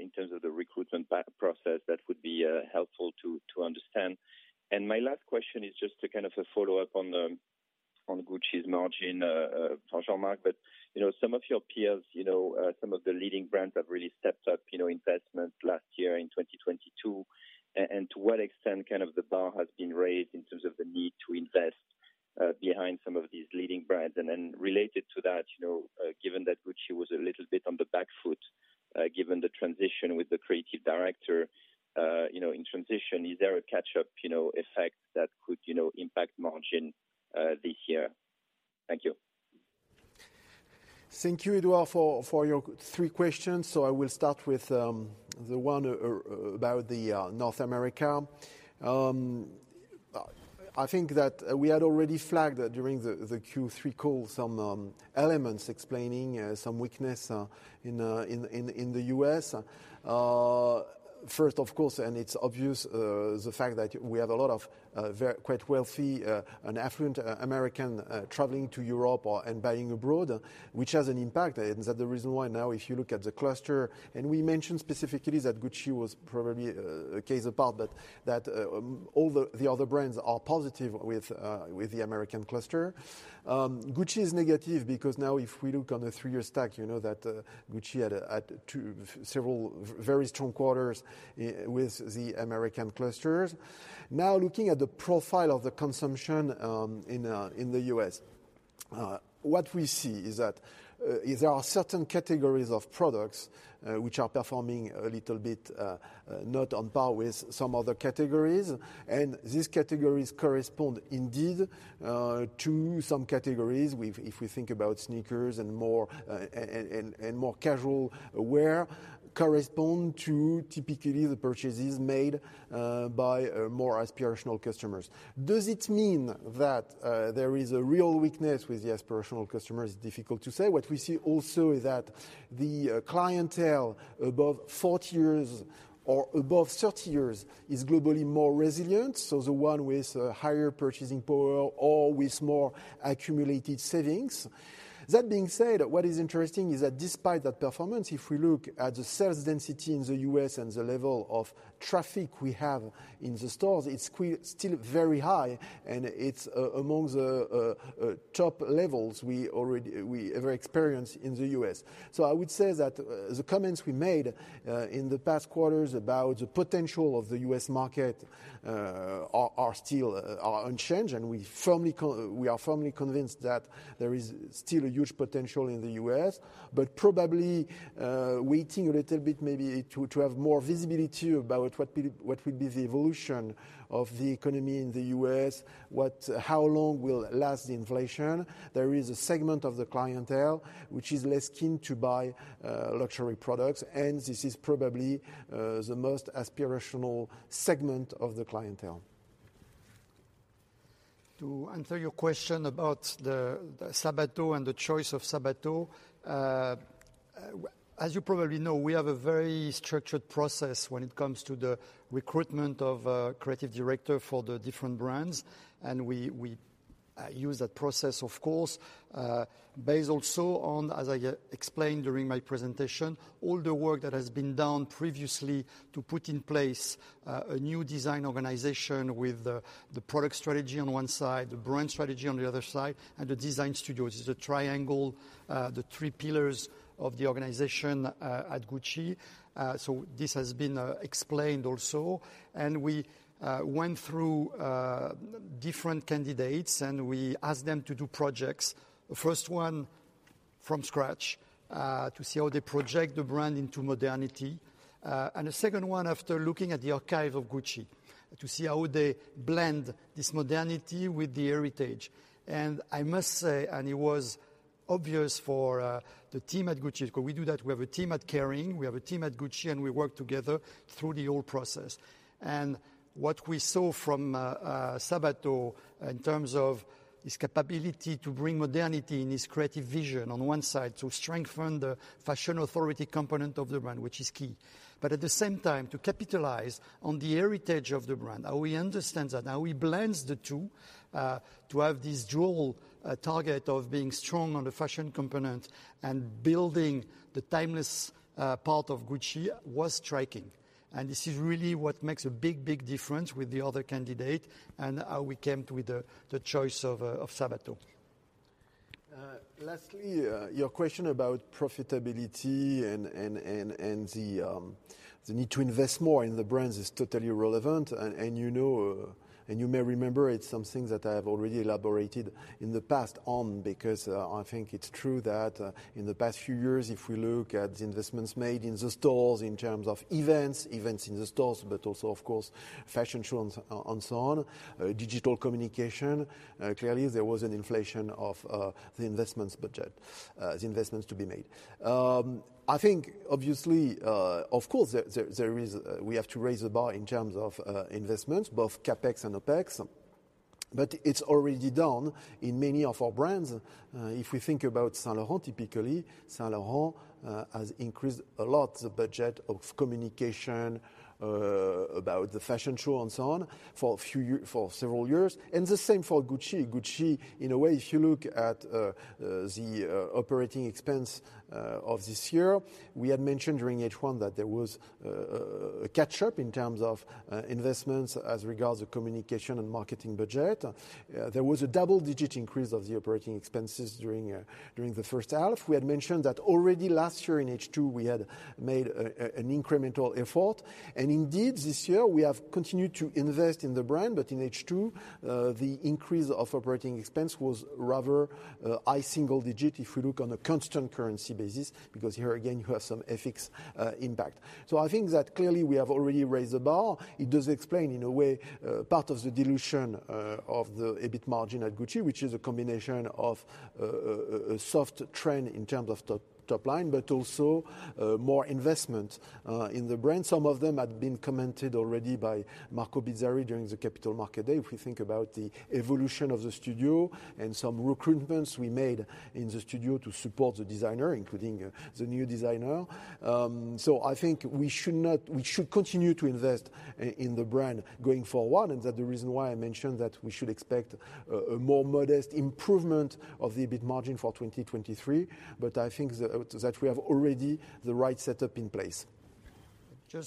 in terms of the recruitment process. That would be helpful to understand. My last question is just a kind of a follow-up on the, on Gucci's margin, Jean-Marc. You know, some of your peers, you know, some of the leading brands have really stepped up, you know, investment last year in 2022. To what extent kind of the bar has been raised in terms of the need to invest behind some of these leading brands? Related to that, you know, given that Gucci was a little bit on the back foot, given the transition with the creative director, you know, in transition, is there a catch-up, you know, effect that could, you know, impact margin this year? Thank you. Thank you, Edward, for your three questions. I will start with the one about North America. I think that we had already flagged during the Q3 call some elements explaining some weakness in the U.S. First, of course, and it's obvious, the fact that we have a lot of quite wealthy and affluent American traveling to Europe and buying abroad, which has an impact. That's the reason why now if you look at the cluster, and we mentioned specifically that Gucci was probably a case apart, but that all the other brands are positive with the American cluster. Gucci is negative because now if we look on the three-year stack, you know that Gucci had several very strong quarters with the American clusters. Looking at the profile of the consumption in the U.S., what we see is that there are certain categories of products which are performing a little bit not on par with some other categories, and these categories correspond indeed to some categories with, if we think about sneakers and more and more casual wear, correspond to typically the purchases made by more aspirational customers. Does it mean that there is a real weakness with the aspirational customers? Difficult to say. What we see also is that the clientele above 40 years or above 30 years is globally more resilient, so the one with higher purchasing power or with more accumulated savings. That being said, what is interesting is that despite that performance, if we look at the sales density in the U.S. and the level of traffic we have in the stores, it's still very high, and it's among the top levels we ever experienced in the U.S. I would say that the comments we made in the past quarters about the potential of the U.S. Market are still unchanged. We are firmly convinced that there is still a huge potential in the U.S. Probably waiting a little bit maybe to have more visibility about what will be the evolution of the economy in the U.S., how long will last the inflation. There is a segment of the clientele which is less keen to buy luxury products. This is probably the most aspirational segment of the clientele. To answer your question about the Sabato and the choice of Sabato, as you probably know, we have a very structured process when it comes to the recruitment of a creative director for the different brands, and we use that process, of course, based also on, as I explained during my presentation, all the work that has been done previously to put in place a new design organization with the product strategy on one side, the brand strategy on the other side, and the design studios. It's a triangle, the three pillars of the organization at Gucci. So this has been explained also. We went through different candidates, and we asked them to do projects, the first one from scratch, to see how they project the brand into modernity. The second one, after looking at the archive of Gucci, to see how they blend this modernity with the heritage. I must say, it was obvious for the team at Gucci, because we do that, we have a team at Kering, we have a team at Gucci, and we work together through the whole process. What we saw from Sabato in terms of his capability to bring modernity in his creative vision on one side, to strengthen the fashion authority component of the brand, which is key. At the same time, to capitalize on the heritage of the brand, how he understands that, how he blends the two, to have this dual target of being strong on the fashion component and building the timeless part of Gucci was striking. This is really what makes a big difference with the other candidate and how we came to with the choice of Sabato. Lastly, your question about profitability and the need to invest more in the brands is totally relevant. You know, you may remember it's something that I have already elaborated in the past on because I think it's true that in the past few years, if we look at the investments made in the stores in terms of events in the stores, but also of course, fashion shows and so on, digital communication, clearly there was an inflation of the investments budget, the investments to be made. I think obviously, we have to raise the bar in terms of investments, both CapEx and OpEx, but it's already done in many of our brands. If we think about Saint Laurent, typically, Saint Laurent has increased a lot the budget of communication about the fashion show and so on for several years. The same for Gucci. Gucci, in a way, if you look at the operating expense of this year, we had mentioned during H1 that there was a catch up in terms of investments as regards the communication and marketing budget. There was a double-digit increase of the operating expenses during the first half. We had mentioned that already last year in H2 we had made an incremental effort. Indeed, this year we have continued to invest in the brand. But in H2, the increase of operating expense was rather high single-digit if we look on a constant currency basis, because here again, you have some FX impact. I think that clearly we have already raised the bar. It does explain, in a way, part of the dilution of the EBIT margin at Gucci, which is a combination of a soft trend in terms of top line, but also more investment in the brand. Some of them had been commented already by Marco Bizzarri during the Capital Markets Day. If we think about the evolution of the studio and some recruitments we made in the studio to support the designer, including the new designer. I think we should continue to invest in the brand going forward, and that the reason why I mentioned that we should expect a more modest improvement of the EBIT margin for 2023. I think that we have already the right setup in place.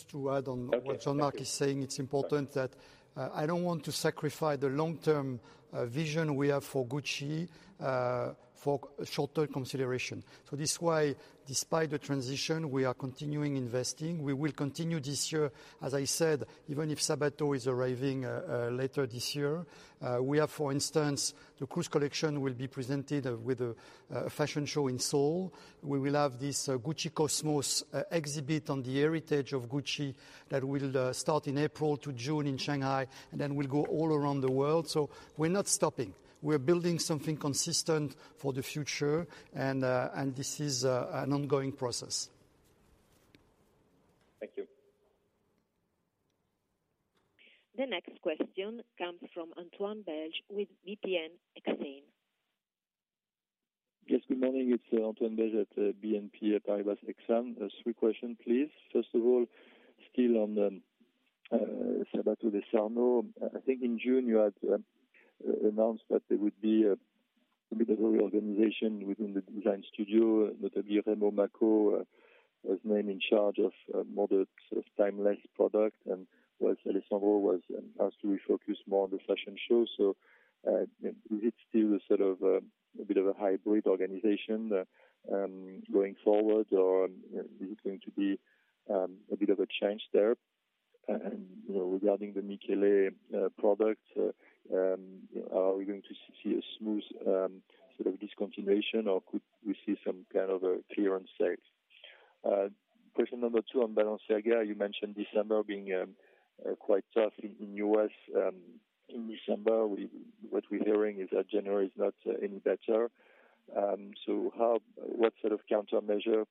To add on what Jean-Marc is saying, it's important that I don't want to sacrifice the long-term vision we have for Gucci for shorter consideration. This is why, despite the transition, we are continuing investing. We will continue this year, as I said, even if Sabato is arriving later this year. We have, for instance, the cruise collection will be presented with a fashion show in Seoul. We will have this Gucci Cosmos e-exhibit on the heritage of Gucci that will start in April to June in Shanghai, and then will go all around the world. We're not stopping. We're building something consistent for the future and this is an ongoing process. Thank you. The next question comes from Antoine Belge with BNP Exane. Yes, good morning. It's Antoine Belge at BNP Paribas Exane. Three question, please. First of all, still on Sabato De Sarno. I think in June you had announced that there would be a bit of a reorganization within the design studio. Remo Maccio was made in charge of more the sort of timeless product, and whilst Alessandro was asked to refocus more on the fashion show. Is it still a sort of a bit of a hybrid organization going forward or is it going to be a bit of a change there? You know, regarding the Michele product, are we going to see a smooth sort of discontinuation or could we see some kind of a clearance sale? Question number 2 on Balenciaga. You mentioned December being quite tough in U.S. In December, what we're hearing is that January is not any better. What sort of countermeasure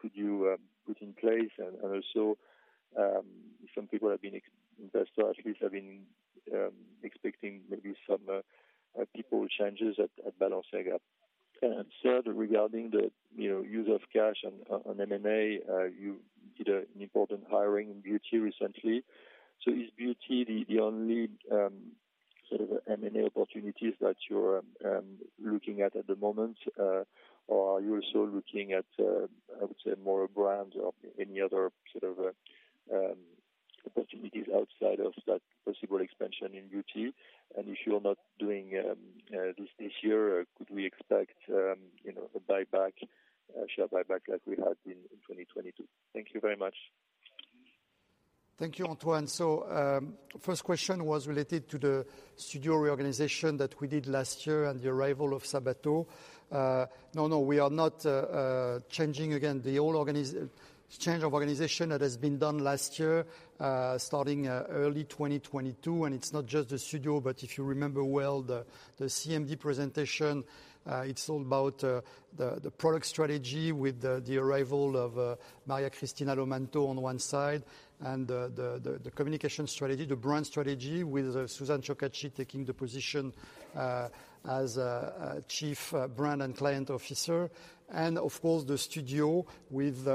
could you put in place? Also, some people have been, investors at least have been expecting maybe some people changes at Balenciaga. Third, regarding the, you know, use of cash on M&A. You did an important hiring in beauty recently. Is beauty the only sort of M&A opportunities that you're looking at at the moment, or are you also looking at, I would say more brands or any other sort of opportunities outside of that possible expansion in beauty? If you're not doing this year, could we expect, you know, a buyback, share buyback like we had in 2022? Thank you very much. Thank you, Antoine. First question was related to the studio reorganization that we did last year and the arrival of Sabato. No, we are not changing again. The whole change of organization that has been done last year, starting early 2022, and it's not just the studio, but if you remember well, the CMD presentation, it's all about the product strategy with the arrival of Maria Cristina Lomanto on one side and the communication strategy, the brand strategy with Susan Ciocca taking the position as Chief Brand and Client Officer. Of course, the studio with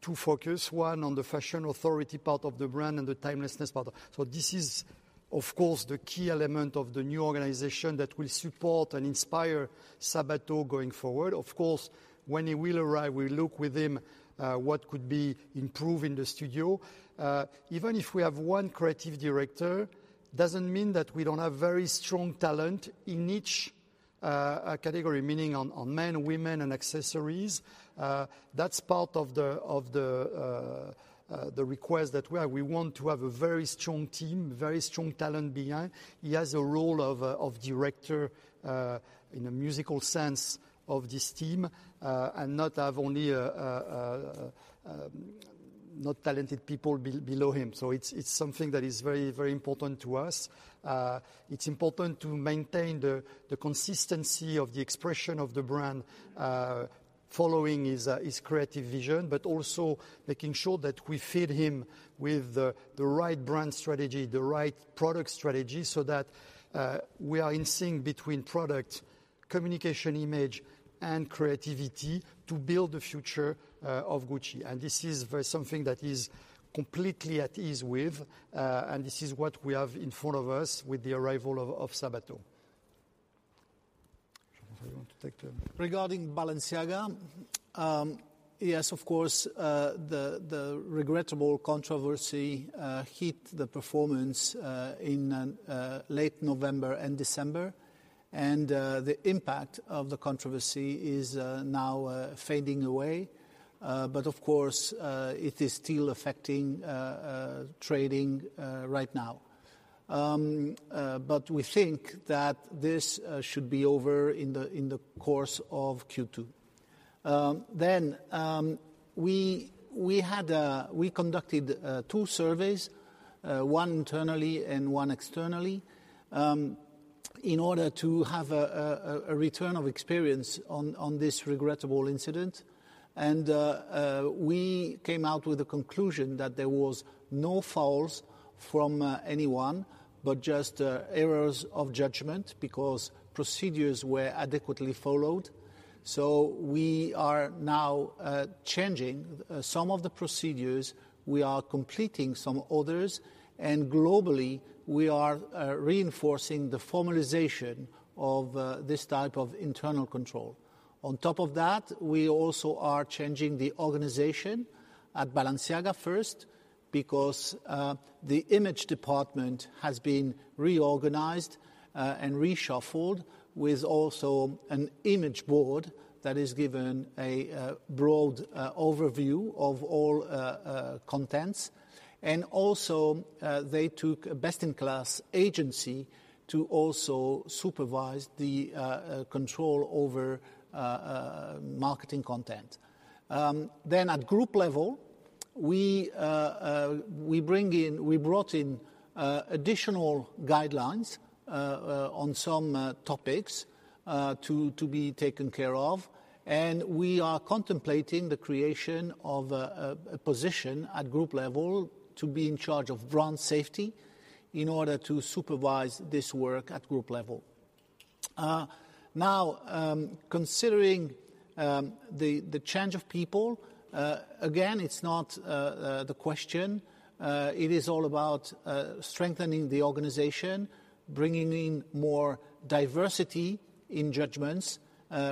two focus, one on the fashion authority part of the brand and the timelessness part. This is of course, the key element of the new organization that will support and inspire Sabato going forward. When he will arrive, we look with him, what could be improved in the studio. Even if we have one creative director, doesn't mean that we don't have very strong talent in each category, meaning on men, women and accessories. That's part of the request that we have. We want to have a very strong team, very strong talent behind. He has a role of director, in a musical sense of this team, and not have only a not talented people below him. It's something that is very, very important to us. It's important to maintain the consistency of the expression of the brand, following his creative vision, but also making sure that we feed him with the right brand strategy, the right product strategy, so that we are in sync between product, communication image, and creativity to build the future of Gucci. This is very something that he's completely at ease with. This is what we have in front of us with the arrival of Sabato. Jean, if you want to take the. Regarding Balenciaga, yes, of course, the regrettable controversy hit the performance in late November and December. The impact of the controversy is now fading away. Of course, it is still affecting trading right now. We think that this should be over in the course of Q2. We had, we conducted two surveys, one internally and one externally, in order to have a return of experience on this regrettable incident. We came out with the conclusion that there was no faults from anyone, but just errors of judgment because procedures were adequately followed. We are now changing some of the procedures, we are completing some others, globally, we are reinforcing the formalization of this type of internal control. On top of that, we also are changing the organization at Balenciaga first because the image department has been reorganized and reshuffled with also an image board that is given a broad overview of all contents. Also, they took a best-in-class agency to also supervise the control over marketing content. At group level, we brought in additional guidelines on some topics to be taken care of, and we are contemplating the creation of a position at group level to be in charge of brand safety in order to supervise this work at group level. Now, considering the change of people, again, it's not the question. It is all about strengthening the organization, bringing in more diversity in judgments,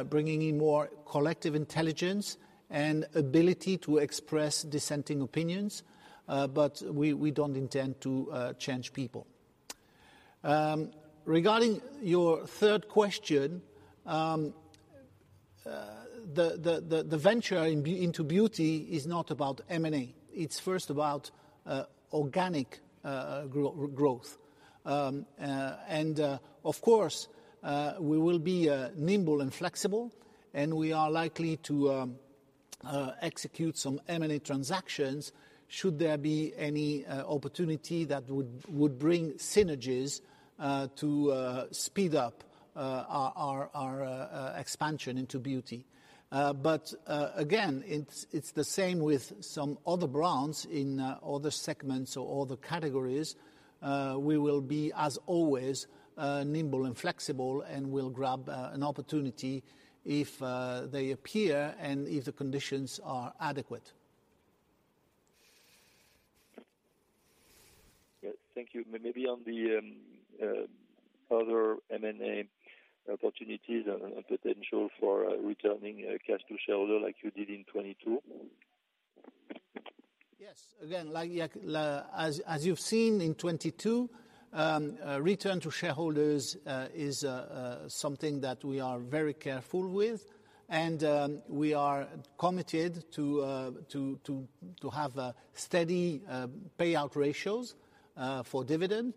bringing in more collective intelligence and ability to express dissenting opinions, we don't intend to change people. Regarding your third question, the venture into beauty is not about M&A. It's first about organic growth. Of course, we will be nimble and flexible, and we are likely to execute some M&A transactions should there be any opportunity that would bring synergies to speed up our expansion into beauty. Again, it's the same with some other brands in other segments or other categories. We will be, as always, nimble and flexible, and we'll grab an opportunity if they appear and if the conditions are adequate. Yes. Thank you. Maybe on the other M&A opportunities and potential for returning cash to shareholder like you did in 22. Yes. Again, like, as you've seen in 22, return to shareholders is something that we are very careful with, and we are committed to have a steady payout ratios for dividend.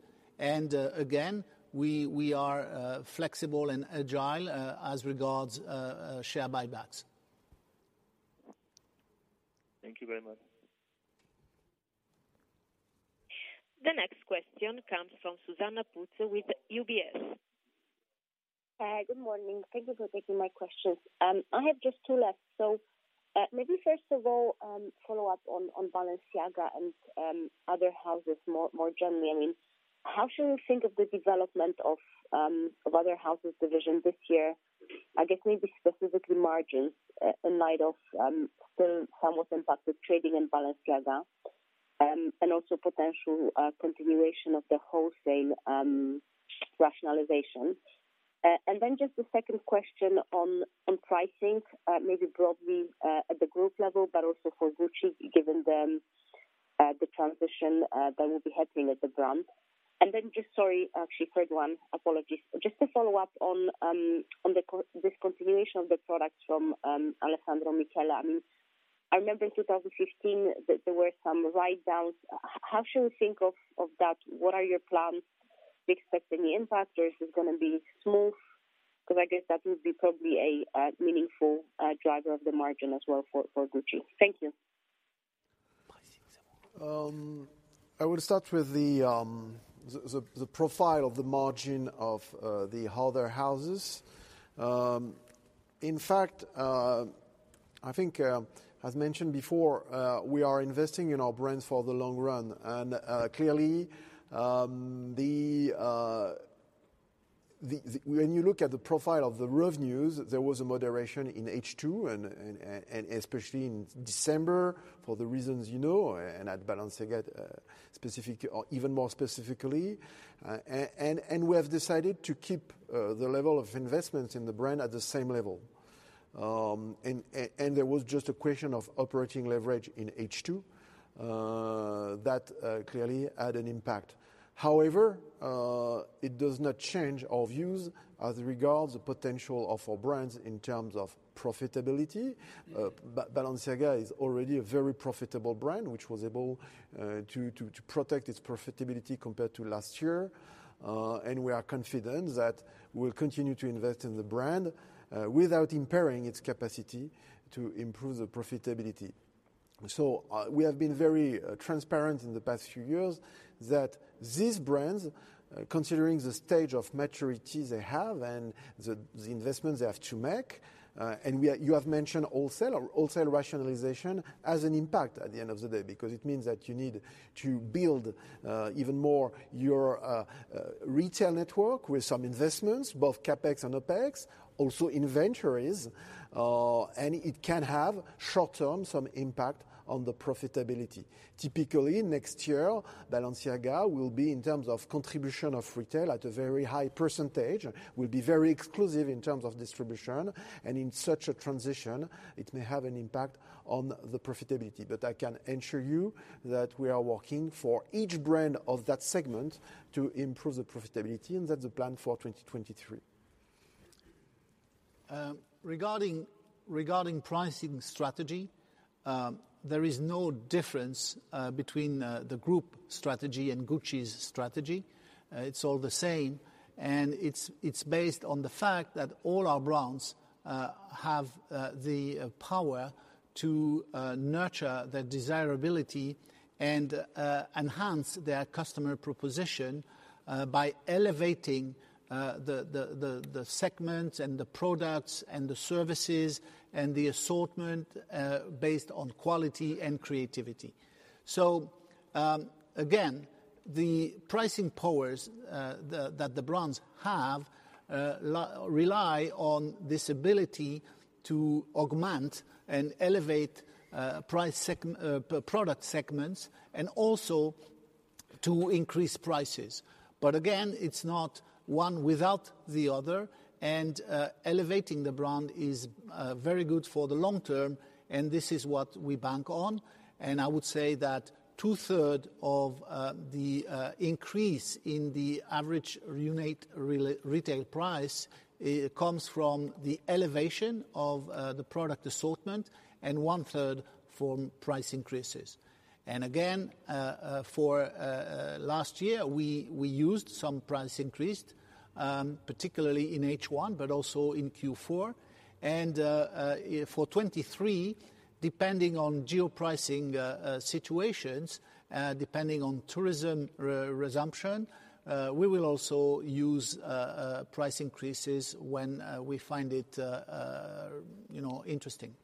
Again, we are flexible and agile as regards share buybacks. Thank you very much. The next question comes from Zuzanna Pusz with UBS. Hi. Good morning. Thank you for taking my questions. I have just two left. Maybe first of all, follow up on Balenciaga and other houses more generally. I mean, how should we think of the development of other houses division this year? I guess maybe specifically margins in light of still somewhat impacted trading in Balenciaga, and also potential continuation of the wholesale rationalization. Just a second question on pricing, maybe broadly at the group level, but also for Gucci, given the transition that will be happening at the brand. Just sorry, actually, third one. Apologies. Just to follow up on the discontinuation of the products from Alessandro Michele. I mean, I remember in 2015 that there were some write-downs. How should we think of that? What are your plans? Do you expect any impact, or is this gonna be smooth? Cause I guess that will be probably a meaningful driver of the margin as well for Gucci. Thank you. I will start with the profile of the margin of the other houses. In fact, I think as mentioned before, we are investing in our brands for the long run. Clearly, when you look at the profile of the revenues, there was a moderation in H2 and especially in December for the reasons you know and at Balenciaga, or even more specifically. We have decided to keep the level of investments in the brand at the same level. There was just a question of operating leverage in H2 that clearly had an impact. However, it does not change our views as regards the potential of our brands in terms of profitability. Balenciaga is already a very profitable brand, which was able to protect its profitability compared to last year. We are confident that we'll continue to invest in the brand without impairing its capacity to improve the profitability. We have been very transparent in the past few years that these brands, considering the stage of maturity they have and the investments they have to make, and you have mentioned wholesale or wholesale rationalization has an impact at the end of the day, because it means that you need to build even more your retail network with some investments, both CapEx and OpEx, also inventories. It can have short-term some impact on the profitability. Typically, next year, Balenciaga will be, in terms of contribution of retail, at a very high percentage, will be very exclusive in terms of distribution, and in such a transition, it may have an impact on the profitability. I can assure you that we are working for each brand of that segment to improve the profitability, and that's the plan for 2023. Regarding pricing strategy, there is no difference between the group strategy and Gucci's strategy. It's all the same, and it's based on the fact that all our brands have the power to nurture their desirability and enhance their customer proposition by elevating the segments and the products and the services and the assortment based on quality and creativity. Again, the pricing powers that the brands have rely on this ability to augment and elevate product segments and also to increase prices. Again, it's not one without the other, and elevating the brand is very good for the long term, and this is what we bank on. I would say that two-third of the increase in the average unit retail price comes from the elevation of the product assortment and one-third from price increases. Again, for last year, we used some price increase, particularly in H1, but also in Q4. For 2023, depending on geo pricing situations, depending on tourism resumption, we will also use price increases when we find it, you know, interesting.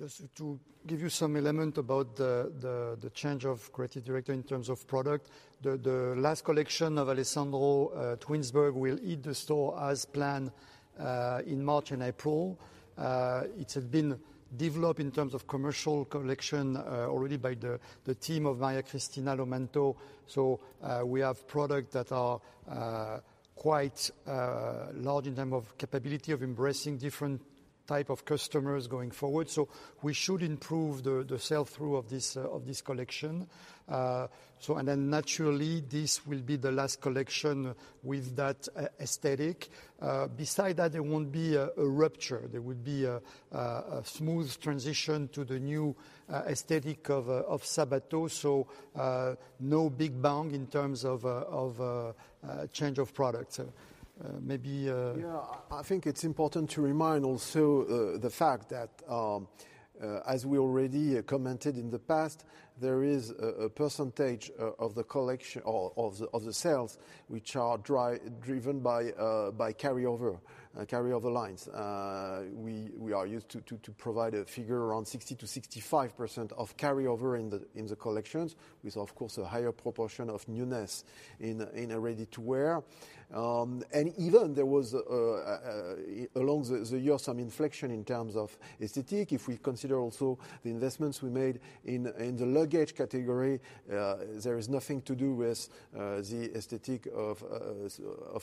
Just to give you some element about the change of creative director in terms of product. The last collection of Alessandro, Twinsburg will hit the store as planned in March and April. It has been developed in terms of commercial collection already by the team of Maria Cristina Lomanto. We have product that are quite large in term of capability of embracing different type of customers going forward. We should improve the sell-through of this of this collection. Naturally, this will be the last collection with that aesthetic. Beside that, there won't be a rupture. There will be a smooth transition to the new aesthetic of Sabato. No big bang in terms of change of product. Maybe. Yeah, I think it's important to remind also, the fact that, as we already commented in the past, there is a percentage of the sales which are driven by carry-over carry-over lines. We are used to provide a figure around 60%-65% of carry-over in the collections, with, of course, a higher proportion of newness in ready-to-wear. Even there was along the year some inflection in terms of aesthetic. If we consider also the investments we made in the luggage category, there is nothing to do with the aesthetic of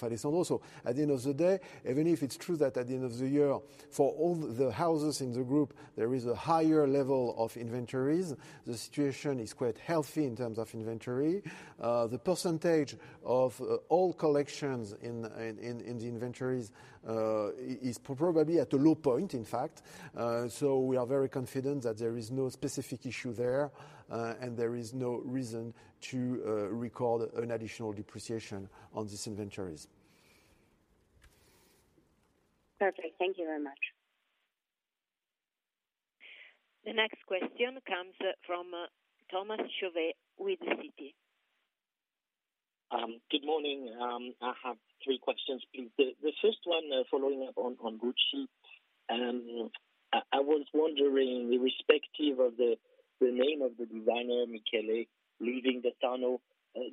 Alessandro. At the end of the day, even if it's true that at the end of the year, for all the houses in the group, there is a higher level of inventories, the situation is quite healthy in terms of inventory. The percentage of all collections in the inventories is probably at a low point, in fact. We are very confident that there is no specific issue there, and there is no reason to record an additional depreciation on these inventories. Perfect. Thank you very much. The next question comes from Thomas Chauvet with Citi. Good morning. I have three questions, please. The first one, following up on Gucci. I was wondering, irrespective of the name of the designer, Michele leaving, Stefano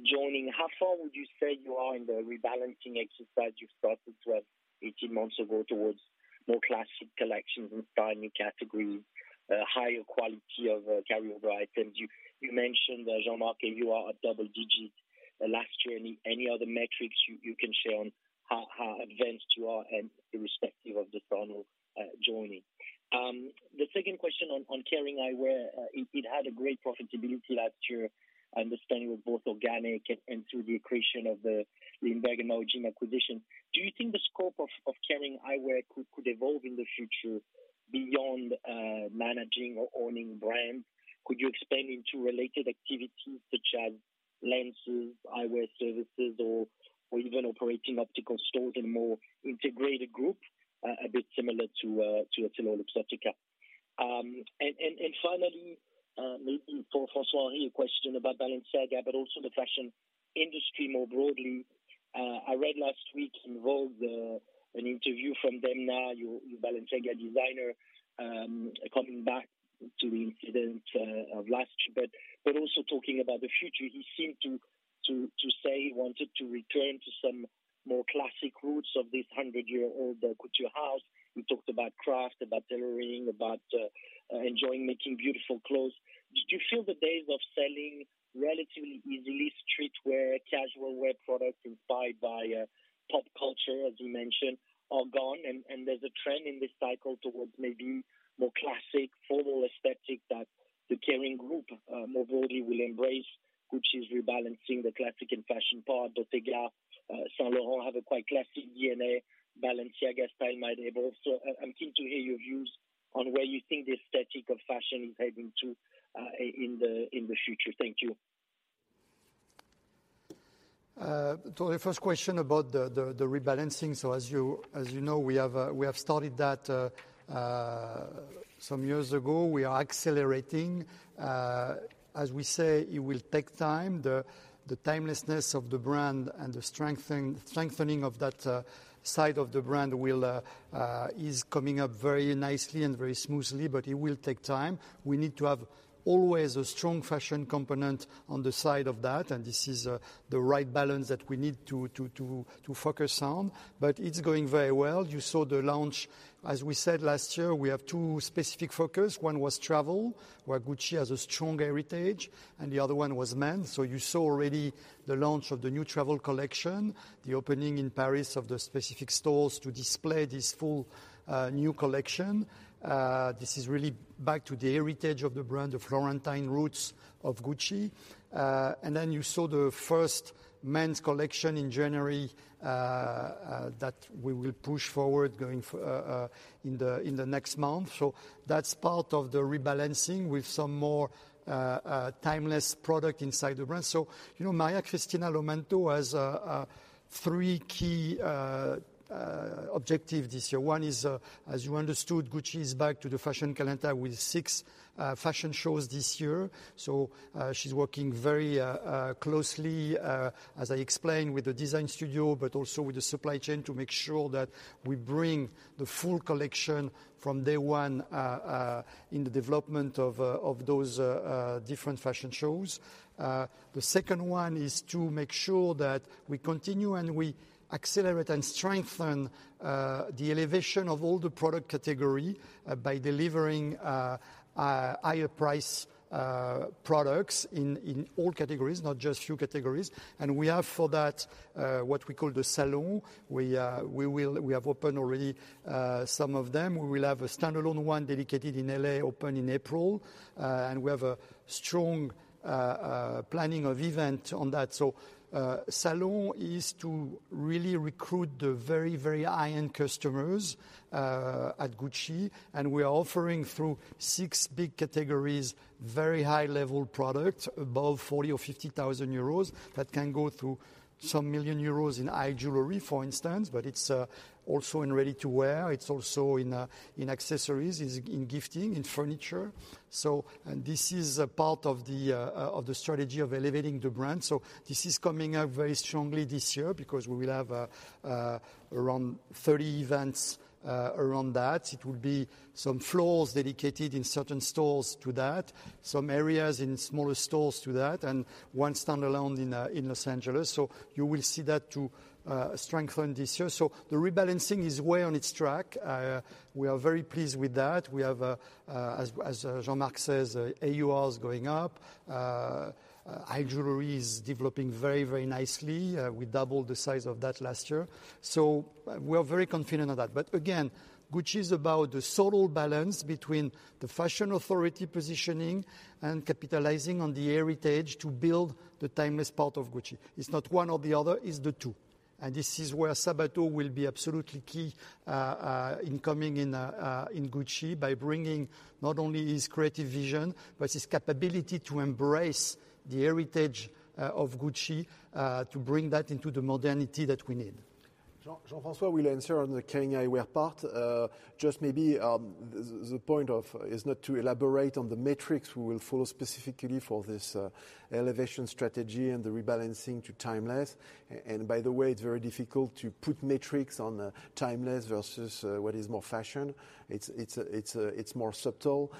joining, how far would you say you are in the rebalancing exercise you started 12, 18 months ago towards more classic collections and tiny categories, higher quality of carryover items? You mentioned, Jean-Marc, you are at double digits last year. Any other metrics you can share on how advanced you are and irrespective of the Stefano joining? The second question on Kering Eyewear, it had a great profitability last year, I understand, with both organic and through the accretion of the LINDBERG and Maui Jim acquisition. Do you think the scope of Kering Eyewear could evolve in the future beyond managing or owning brands? Could you expand into related activities such as lenses, eyewear services, or even operating optical stores in a more integrated group, a bit similar to EssilorLuxottica? Finally, for François-Henri, a question about Balenciaga, but also the fashion industry more broadly. I read last week in Vogue an interview from Demna, your Balenciaga designer, coming back to the incident of last year, but also talking about the future. He seemed to say he wanted to return to some more classic roots of this 100-year-old couture house. He talked about craft, about tailoring, about enjoying making beautiful clothes. Did you feel the days of selling relatively easily streetwear, casual wear products inspired by pop culture, as you mentioned, are gone, and there's a trend in this cycle towards maybe more classic, formal aesthetic that the Kering group more broadly will embrace? Gucci is rebalancing the classic and fashion part. Bottega, Saint Laurent have a quite classic DNA. Balenciaga, style might evolve. I'm keen to hear your views on where you think the aesthetic of fashion is heading to, in the future. Thank you. The first question about the rebalancing. As you know, we have started that some years ago. We are accelerating. As we say, it will take time. The timelessness of the brand and the strengthening of that side of the brand will is coming up very nicely and very smoothly, but it will take time. We need to have always a strong fashion component on the side of that, and this is the right balance that we need to focus on. It's going very well. You saw the launch. As we said last year, we have two specific focus. One was travel, where Gucci has a strong heritage, and the other one was men. You saw already the launch of the new travel collection, the opening in Paris of the specific stores to display this full new collection. This is really back to the heritage of the brand, the Florentine roots of Gucci. You saw the first men's collection in January that we will push forward going in the next month. That's part of the rebalancing with some more timeless product inside the brand. You know, Maria Cristina Lomanto has three key objective this year. One is, as you understood, Gucci is back to the fashion calendar with six fashion shows this year. She's working very closely, as I explained, with the design studio, but also with the supply chain to make sure that we bring the full collection from day one in the development of those different fashion shows. The second one is to make sure that we continue, and we accelerate and strengthen the elevation of all the product category by delivering higher price products in all categories, not just few categories. We have for that what we call the Salon. We have opened already some of them. We will have a standalone one dedicated in L.A. open in April. We have a strong planning of event on that. Salon is to really recruit the very, very high-end customers at Gucci, and we are offering through six big categories, very high-level product, above 40,000-50,000 euros, that can go through some million EUR in high jewelry, for instance. It's also in ready-to-wear, it's also in accessories, it's in gifting, in furniture. This is a part of the strategy of elevating the brand. This is coming up very strongly this year because we will have around 30 events around that. It will be some floors dedicated in certain stores to that, some areas in smaller stores to that, and one standalone in Los Angeles. You will see that to strengthen this year. The rebalancing is well on its track. We are very pleased with that. We have, as Jean-Marc says, AUR is going up. High jewelry is developing very nicely. We doubled the size of that last year. We are very confident of that. Again, Gucci is about the subtle balance between the fashion authority positioning and capitalizing on the heritage to build the timeless part of Gucci. It's not one or the other, it's the two. This is where Sabato will be absolutely key in coming in Gucci by bringing not only his creative vision, but his capability to embrace the heritage of Gucci to bring that into the modernity that we need. Jean-François will answer on the Kering Eyewear part. Just maybe, the point is not to elaborate on the metrics we will follow specifically for this elevation strategy and the rebalancing to timeless. By the way, it's very difficult to put metrics on timeless versus what is more fashion. It's more subtle.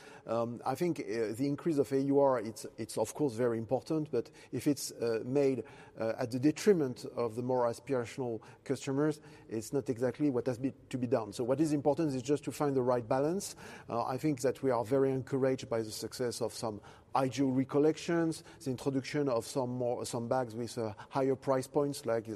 I think the increase of AUR, it's of course, very important, but if it's made at the detriment of the more aspirational customers, it's not exactly what has to be done. What is important is just to find the right balance. I think that we are very encouraged by the success of some high jewelry collections, the introduction of some more, some bags with higher price points, like the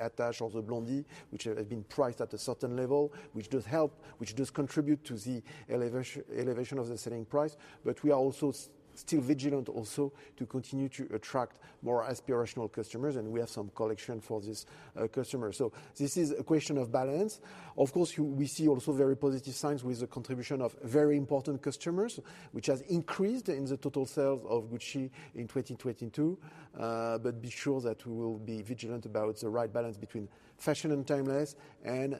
Attaché or the Blondie, which have been priced at a certain level, which does help, which does contribute to the elevation of the selling price. We are also still vigilant also to continue to attract more aspirational customers, and we have some collection for this customer. This is a question of balance. Of course, we see also very positive signs with the contribution of very important customers, which has increased in the total sales of Gucci in 2022. Be sure that we will be vigilant about the right balance between fashion and timeless and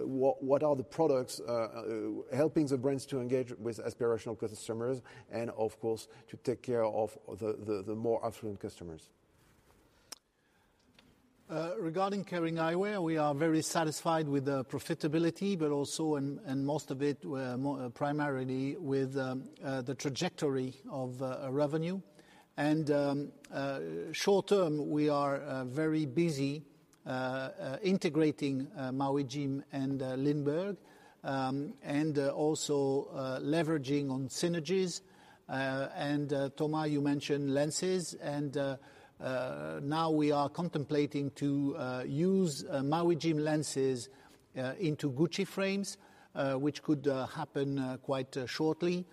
what are the products helping the brands to engage with aspirational customers and of course, to take care of the more affluent customers. Regarding Kering Eyewear, we are very satisfied with the profitability, but also, and most of it were primarily with the trajectory of revenue. Short term, we are very busy integrating Maui Jim and LINDBERG, and also leveraging on synergies. Thomas, you mentioned lenses and now we are contemplating to use Maui Jim lenses into Gucci frames, which could happen quite shortly.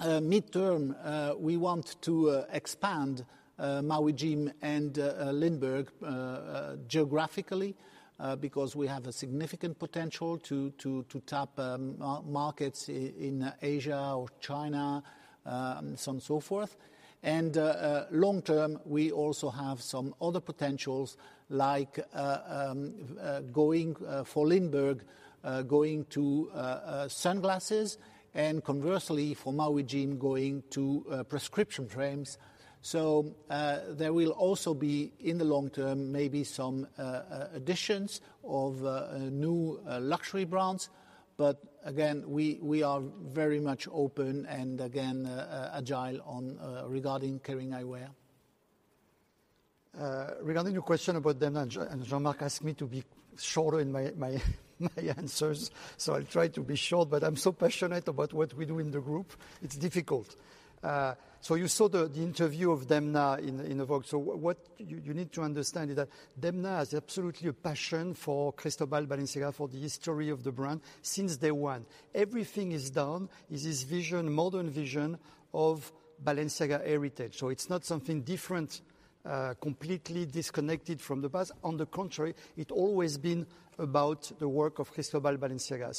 Midterm, we want to expand Maui Jim and LINDBERG geographically, because we have a significant potential to tap markets in Asia or China, so on and so forth. so have some other potentials like going for LINDBERG, going to sunglasses and conversely for Maui Jim, going to prescription frames. There will also be, in the long term, maybe some additions of new luxury brands. But again, we are very much open and agile regarding Kering Eyewear. Regarding your question about Demna, Jean-Marc asked me to be shorter in my answers, so I'll try to be short, but I'm so passionate about what we do in the group, it's difficult. You saw the interview of Demna in the Vogue. What you need to understand is that Demna has absolutely a passion for Cristóbal Balenciaga, for the history of the brand since day one. Everything is done is his vision, modern vision of Balenciaga heritage. It's not something different, completely disconnected from the past. On the contrary, it always been about the work of Cristóbal Balenciaga.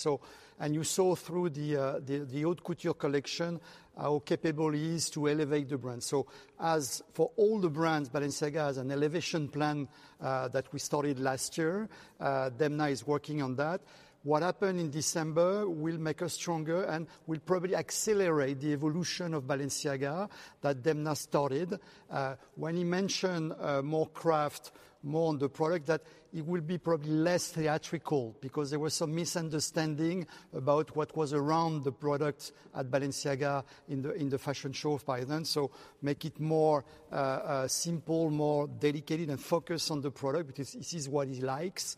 You saw through the haute couture collection, how capable he is to elevate the brand. As for all the brands, Balenciaga has an elevation plan, that we started last year, Demna is working on that. What happened in December will make us stronger and will probably accelerate the evolution of Balenciaga that Demna started. When he mentioned, more craft, more on the product, that it will be probably less theatrical because there was some misunderstanding about what was around the product at Balenciaga in the fashion show of Paris. Make it more simple, more dedicated, and focused on the product because this is what he likes.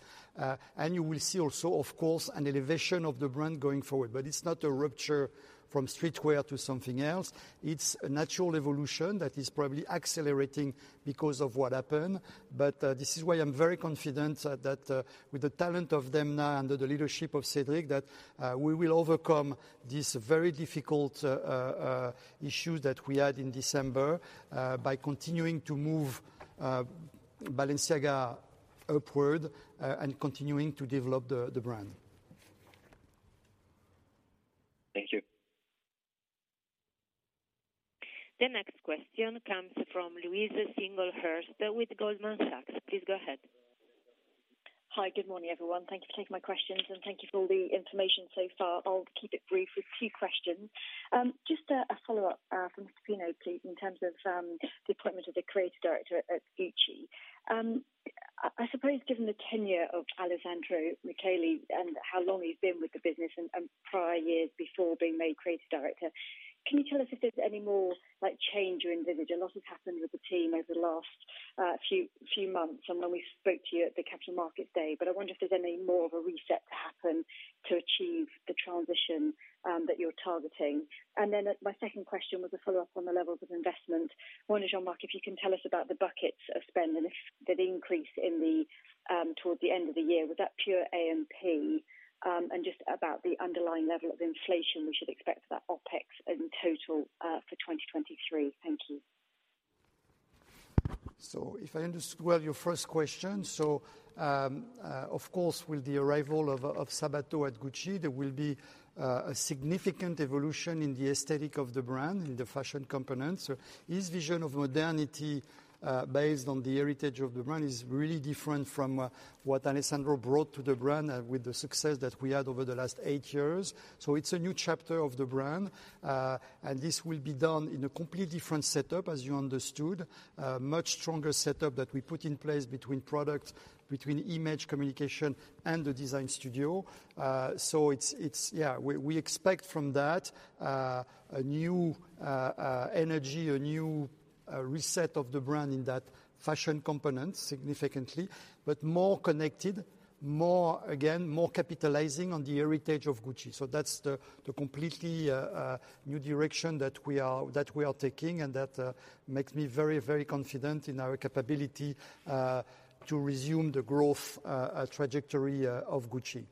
You will see also, of course, an elevation of the brand going forward. It's not a rupture from streetwear to something else. It's a natural evolution that is probably accelerating because of what happened. This is why I'm very confident that with the talent of Demna under the leadership of Cedric, that we will overcome this very difficult issue that we had in December by continuing to move Balenciaga upward and continuing to develop the brand. Thank you. The next question comes from Louise Singlehurst with Goldman Sachs. Please go ahead. Hi. Good morning, everyone. Thank you for taking my questions and thank you for all the information so far. I'll keep it brief with two questions. Just a follow-up from Pino, please, in terms of the appointment of the creative director at Gucci. I suppose given the tenure of Alessandro Michele and how long he's been with the business and prior years before being made creative director, can you tell us if there's any more, like, change you envisage? A lot has happened with the team over the last few months from when we spoke to you at the Capital Markets Day. I wonder if there's any more of a reset to happen to achieve the transition that you're targeting. My second question was a follow-up on the levels of investment. I wonder, Jean-Marc Duplaix, if you can tell us about the buckets of spend and if the increase in the towards the end of the year, was that pure AUR? Just about the underlying level of inflation we should expect for that OpEx in total for 2023. Thank you. If I understood well your first question, of course, with the arrival of Sabato at Gucci, there will be a significant evolution in the aesthetic of the brand, in the fashion component. His vision of modernity, based on the heritage of the brand is really different from what Alessandro brought to the brand with the success that we had over the last eight years. It's a new chapter of the brand, and this will be done in a completely different setup, as you understood. A much stronger setup that we put in place between product, between image communication and the design studio. It's, yeah, we expect from that, a new energy, a new reset of the brand in that fashion component significantly, but more connected, more, again, more capitalizing on the heritage of Gucci. That's the completely new direction that we are taking, and that makes me very confident in our capability to resume the growth trajectory of Gucci.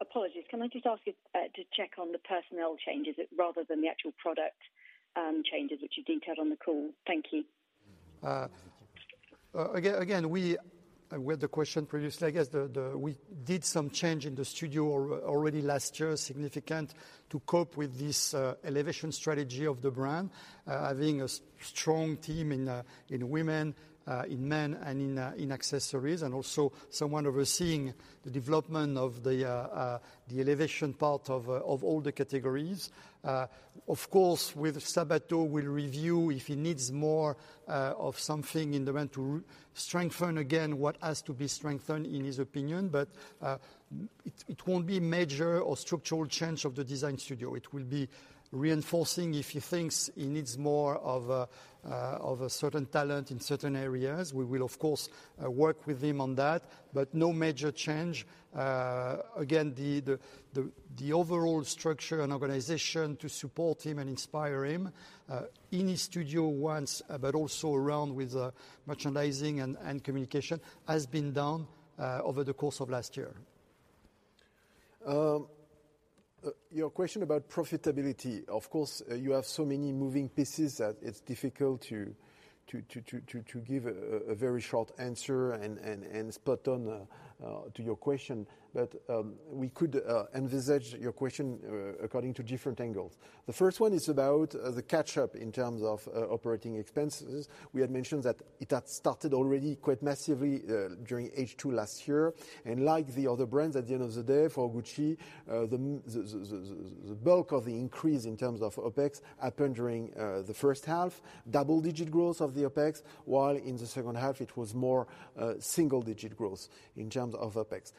Apologies. Can I just ask you to check on the personnel changes rather than the actual product changes which you detailed on the call? Thank you. Again, we had the question previously. I guess we did some change in the studio already last year, significant, to cope with this elevation strategy of the brand. Having a strong team in women, in men and in accessories, and also someone overseeing the development of the elevation part of all the categories. Of course, with Sabato we're review if he needs more of something in the brand to strengthen again what has to be strengthened in his opinion. It won't be major or structural change of the design studio. It will be reinforcing if he thinks he needs more of a certain talent in certain areas. We will of course work with him on that, but no major change. Again, the overall structure and organization to support him and inspire him in his studio once, but also around with merchandising and communication has been done over the course of last year. Your question about profitability, of course, you have so many moving pieces that it's difficult to give a very short answer and spot on to your question. We could envisage your question according to different angles. The first one is about the catch-up in terms of operating expenses. We had mentioned that it had started already quite massively during H2 last year. Like the other brands, at the end of the day, for Gucci, the bulk of the increase in terms of OpEx happened during the first half, double-digit growth of the OpEx, while in the second half it was more single digit growth in terms of OpEx.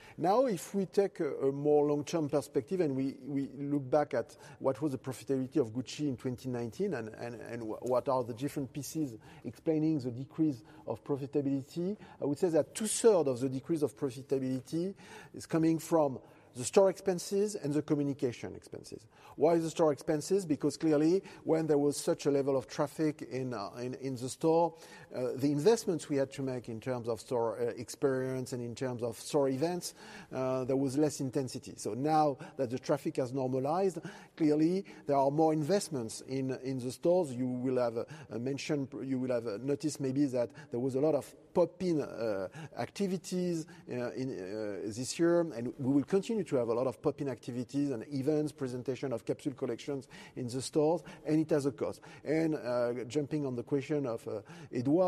If we take a more long-term perspective and we look back at what was the profitability of Gucci in 2019 and what are the different pieces explaining the decrease of profitability, I would say that two-third of the decrease of profitability is coming from the store expenses and the communication expenses. Why the store expenses? Because clearly, when there was such a level of traffic in the store, the investments we had to make in terms of store experience and in terms of store events, there was less intensity. Now that the traffic has normalized, clearly there are more investments in the stores. You will have noticed maybe that there was a lot of pop-in activities in this year, and we will continue to have a lot of pop-in activities and events, presentation of capsule collections in the stores. It has a cost. Jumping on the question of Edward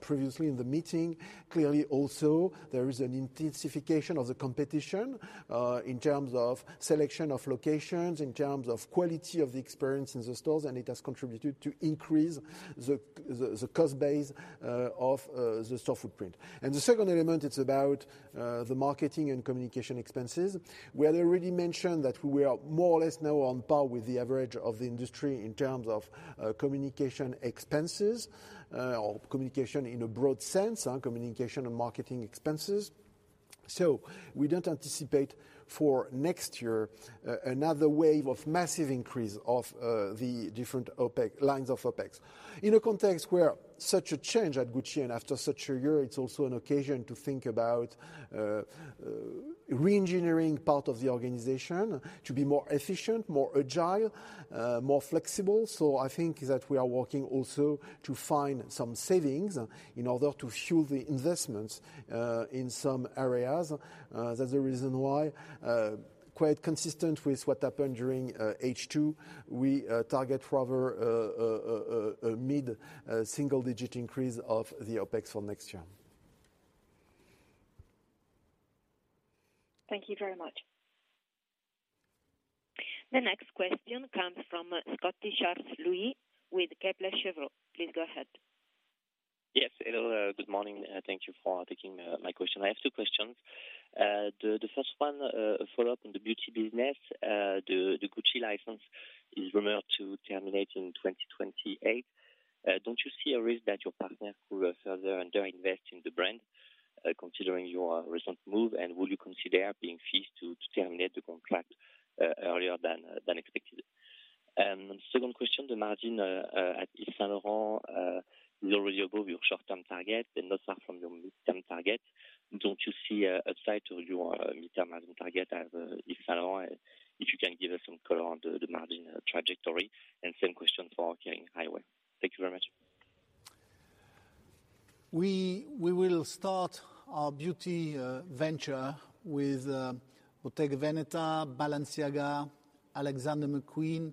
previously in the meeting, clearly also there is an intensification of the competition in terms of selection of locations, in terms of quality of the experience in the stores, and it has contributed to increase the cost base of the store footprint. The second element, it's about the marketing and communication expenses. We had already mentioned that we are more or less now on par with the average of the industry in terms of communication expenses, or communication in a broad sense, communication and marketing expenses. We don't anticipate for next year another wave of massive increase of the different lines of OpEx. In a context where such a change at Gucci and after such a year, it's also an occasion to think about reengineering part of the organization to be more efficient, more agile, more flexible. I think that we are working also to find some savings in order to fuel the investments in some areas. That's the reason why, quite consistent with what happened during H2, we target rather a mid-single digit increase of the OpEx for next year. Thank you very much. The next question comes from Charles-Louis Scotti with Kepler Cheuvreux. Please go ahead. Yes. Hello, good morning. Thank you for taking my question. I have two questions. The first one, a follow-up on the beauty business. The Gucci license is rumored to terminate in 2028. Don't you see a risk that your partners will further under invest in the brand, considering your recent move? Will you consider being fees to terminate the contract earlier than expected? Second question, the margin at Yves Saint Laurent is already above your short-term target and not far from your midterm target. Don't you see a upside to your midterm margin target at Yves Saint Laurent? If you can give us some color on the margin trajectory. Same question for Kering Eyewear. Thank you very much. We will start our beauty venture with Bottega Veneta, Balenciaga, Alexander McQueen,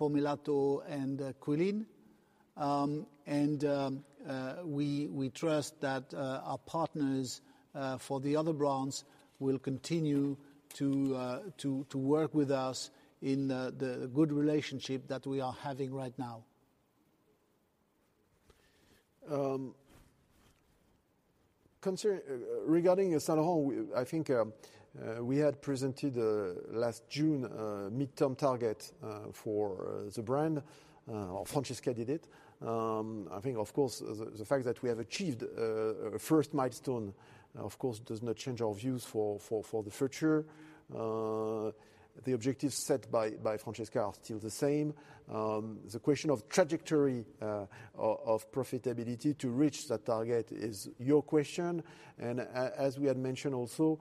Pomellato, and Boucheron. We trust that our partners for the other brands will continue to work with us in the good relationship that we are having right now. Regarding Saint Laurent, I think we had presented last June midterm target for the brand, or Francesca did it. I think of course, the fact that we have achieved a first milestone, of course, does not change our views for the future. The objectives set by Francesca are still the same. The question of trajectory of profitability to reach that target is your question? As we had mentioned also,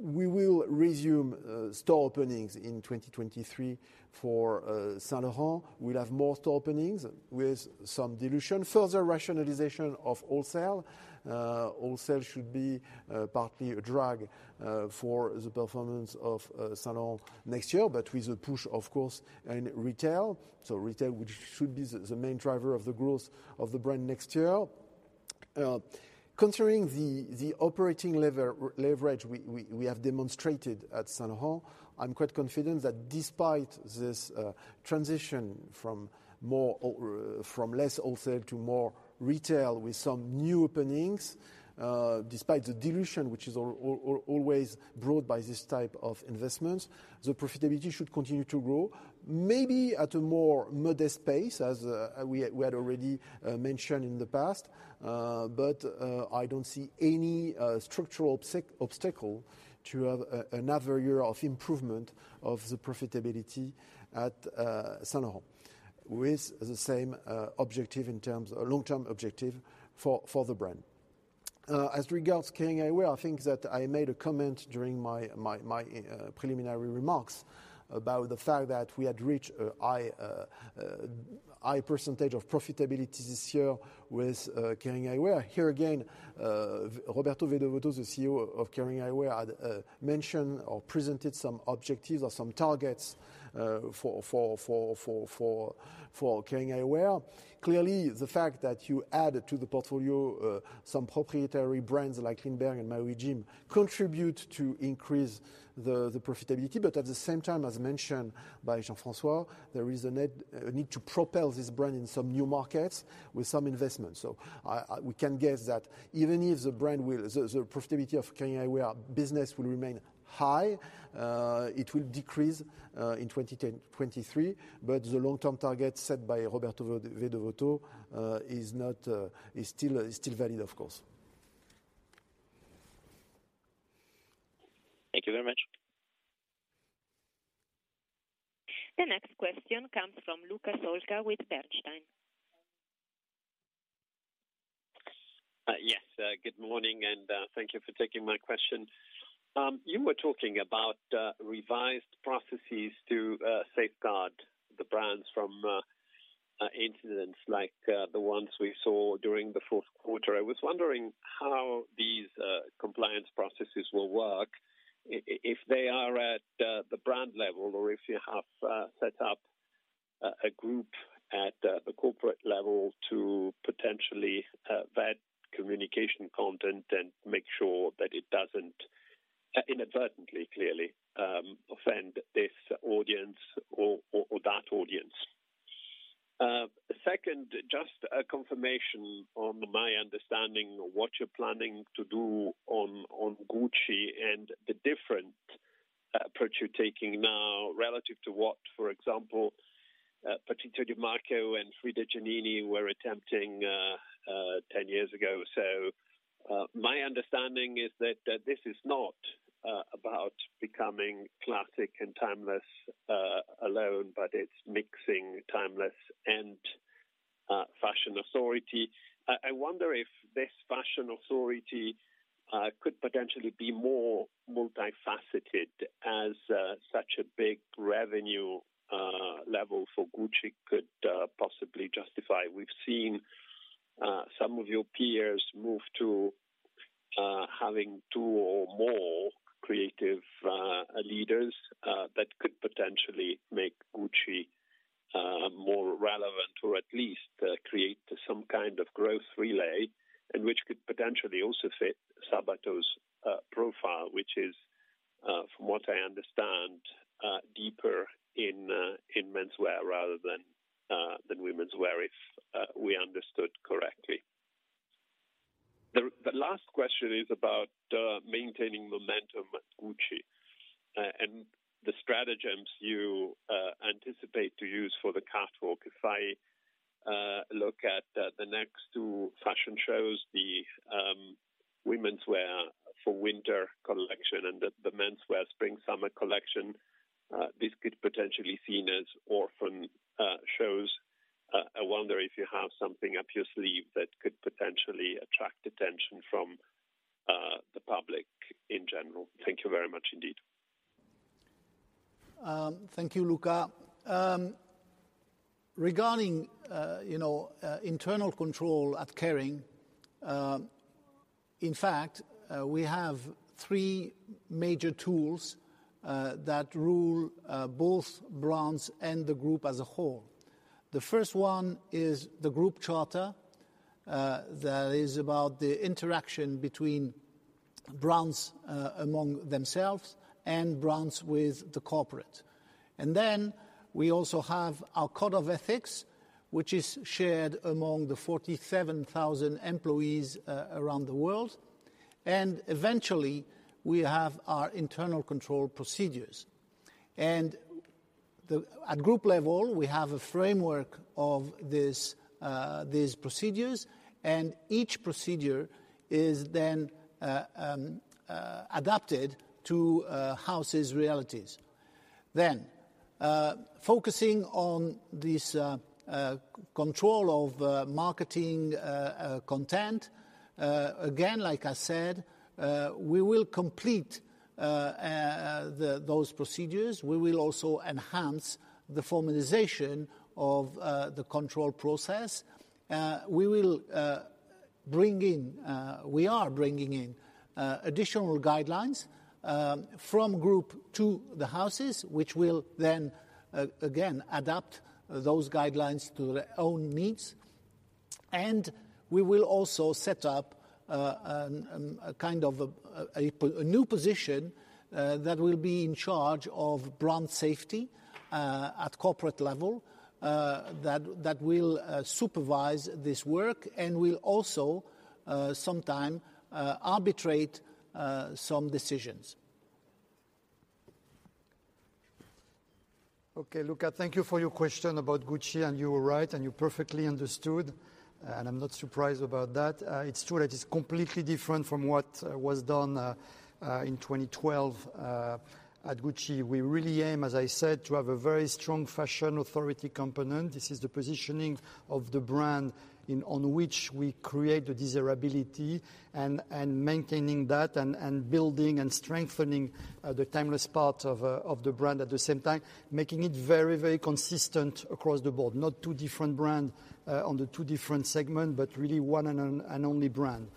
we will resume store openings in 2023 for Saint Laurent. We'll have more store openings with some dilution. Further rationalization of wholesale. Wholesale should be partly a drag for the performance of Saint Laurent next year, but with a push, of course, in retail. Retail, which should be the main driver of the growth of the brand next year. Considering the operating leverage we have demonstrated at Saint Laurent, I'm quite confident that despite this transition from less wholesale to more retail with some new openings, despite the dilution which is always brought by this type of investments, the profitability should continue to grow, maybe at a more modest pace as we had already mentioned in the past. I don't see any structural obstacle to have another year of improvement of the profitability at Saint Laurent with the same objective long-term objective for the brand. As regards Kering Eyewear, I think that I made a comment during my preliminary remarks about the fact that we had reached a high percentage of profitability this year with Kering Eyewear. Here again, Roberto Vedovotto, the CEO of Kering Eyewear, had mentioned or presented some objectives or some targets for Kering Eyewear. Clearly, the fact that you add to the portfolio, some proprietary brands like LINDBERG and Maui Jim contribute to increase the profitability. At the same time, as mentioned by Jean-François, there is a need to propel this brand in some new markets with some investment. We can guess that even if the brand will... The profitability of Kering Eyewear business will remain high, it will decrease in 2023, but the long-term target set by Roberto Vedovotto is not, is still valid, of course. Thank you very much. The next question comes from Luca Solca with Bernstein. Yes, good morning, thank you for taking my question. You were talking about revised processes to safeguard the brands from incidents like the ones we saw during the fourth quarter. I was wondering how these compliance processes will work if they are at the brand level or if you have set up a group at a corporate level to potentially vet communication content and make sure that it doesn't inadvertently, clearly, offend this audience or that audience. Second, just a confirmation on my understanding of what you're planning to do on Gucci and the different approach you're taking now relative to what, for example, Patrizio DiMarco and Frida Giannini were attempting 10 years ago. My understanding is that this is not about becoming classic and timeless alone, but it's mixing timeless and fashion authority. I wonder if this fashion authority could potentially be more multifaceted as such a big revenue level for Gucci could possibly justify. We've seen some of your peers move to having two or more creative leaders that could potentially make Gucci more relevant or at least create some kind of growth relay and which could potentially also fit Sabato's profile, which is from what I understand, deeper in in menswear rather than than womenswear, if we understood correctly. The last question is about maintaining momentum at Gucci and the stratagems you anticipate to use for the catwalk. If I look at the next two fashion shows, the womenswear for winter collection and the menswear spring/summer collection, this could potentially seen as orphan shows. I wonder if you have something up your sleeve that could potentially attract attention from the public in general. Thank you very much indeed. Thank you, Luca. Regarding, you know, internal control at Kering, in fact, we have three major tools that rule both brands and the group as a whole. The first one is the Group Charter that is about the interaction between brands among themselves and brands with the corporate. We also have our Code of Ethics, which is shared among the 47,000 employees around the world. Eventually, we have our internal control procedures. At group level, we have a framework of this, these procedures, and each procedure is then adapted to a house's realities. Focusing on this control of marketing content, again, like I said, we will complete those procedures. We will also enhance the formalization of the control process. We will bring in, we are bringing in additional guidelines from group to the houses, which will then again, adapt those guidelines to their own needs. We will also set up a kind of a new position that will be in charge of brand safety at corporate level that will supervise this work and will also sometime arbitrate some decisions. Okay, Luca, thank you for your question about Gucci. You were right, and you perfectly understood, and I'm not surprised about that. It's true that it's completely different from what was done in 2012 at Gucci. We really aim, as I said, to have a very strong fashion authority component. This is the positioning of the brand on which we create the desirability and maintaining that and building and strengthening the timeless part of the brand at the same time, making it very, very consistent across the board. Not two different brand on the two different segment, but really one and only brand.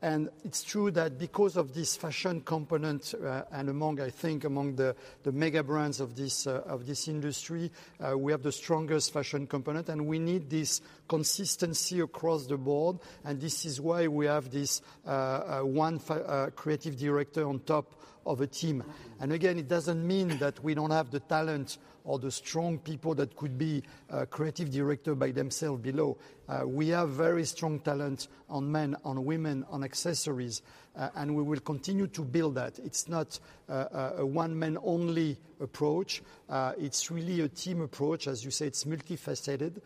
It's true that because of this fashion component, among, I think among the mega brands of this industry, we have the strongest fashion component, and we need this consistency across the board, and this is why we have this one creative director on top of a team. Again, it doesn't mean that we don't have the talent or the strong people that could be creative director by themselves below. We have very strong talent on men, on women, on accessories. We will continue to build that. It's not a one-man only approach. It's really a team approach. As you say, it's multifaceted.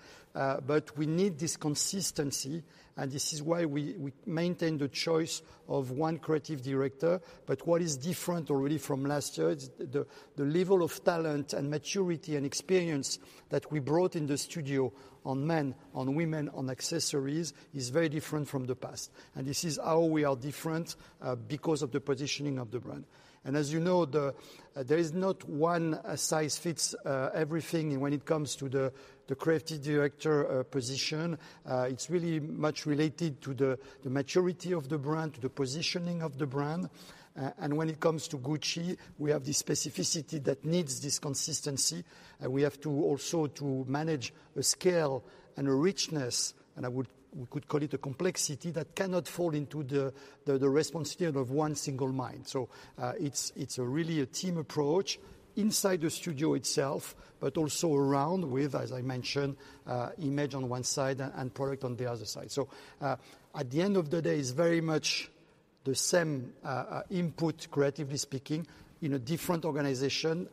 We need this consistency, and this is why we maintain the choice of one creative director. What is different already from last year is the level of talent and maturity and experience that we brought in the studio on men, on women, on accessories, is very different from the past. This is how we are different because of the positioning of the brand. As you know, there is not one size fits everything when it comes to the creative director position. It's really much related to the maturity of the brand, to the positioning of the brand. When it comes to Gucci, we have the specificity that needs this consistency. We have to also to manage a scale and a richness, and we could call it a complexity that cannot fall into the responsibility of one single mind. It's really a team approach inside the studio itself, but also around with, as I mentioned, image on one side and product on the other side. At the end of the day, it's very much the same input, creatively speaking, in a different organization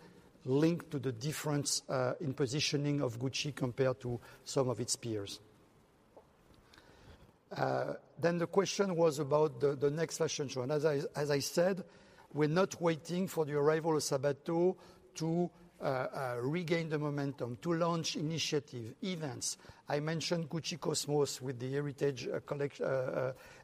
linked to the difference in positioning of Gucci compared to some of its peers. The question was about the next fashion show. As I said, we're not waiting for the arrival of Sabato to regain the momentum, to launch initiative, events. I mentioned Gucci Cosmos with the heritage collect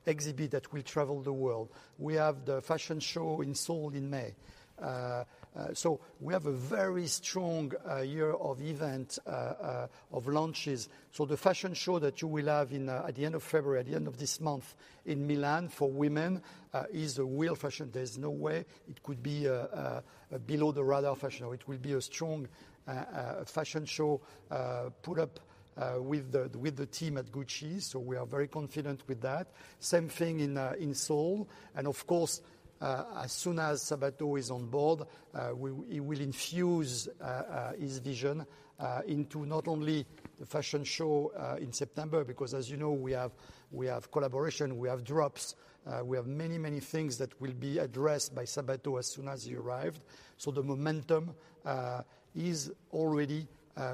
exhibit that will travel the world. We have the fashion show in Seoul in May. We have a very strong year of event of launches. The fashion show that you will have in at the end of February, at the end of this month in Milan for women, is a real fashion. There's no way it could be below the radar fashion. It will be a strong fashion show, put up with the team at Gucci. We are very confident with that. Same thing in Seoul. Of course, as soon as Sabato is on board, he will infuse his vision into not only the fashion show in September, because as you know, we have, we have collaboration, we have drops, we have many, many things that will be addressed by Sabato as soon as he arrived. The momentum is already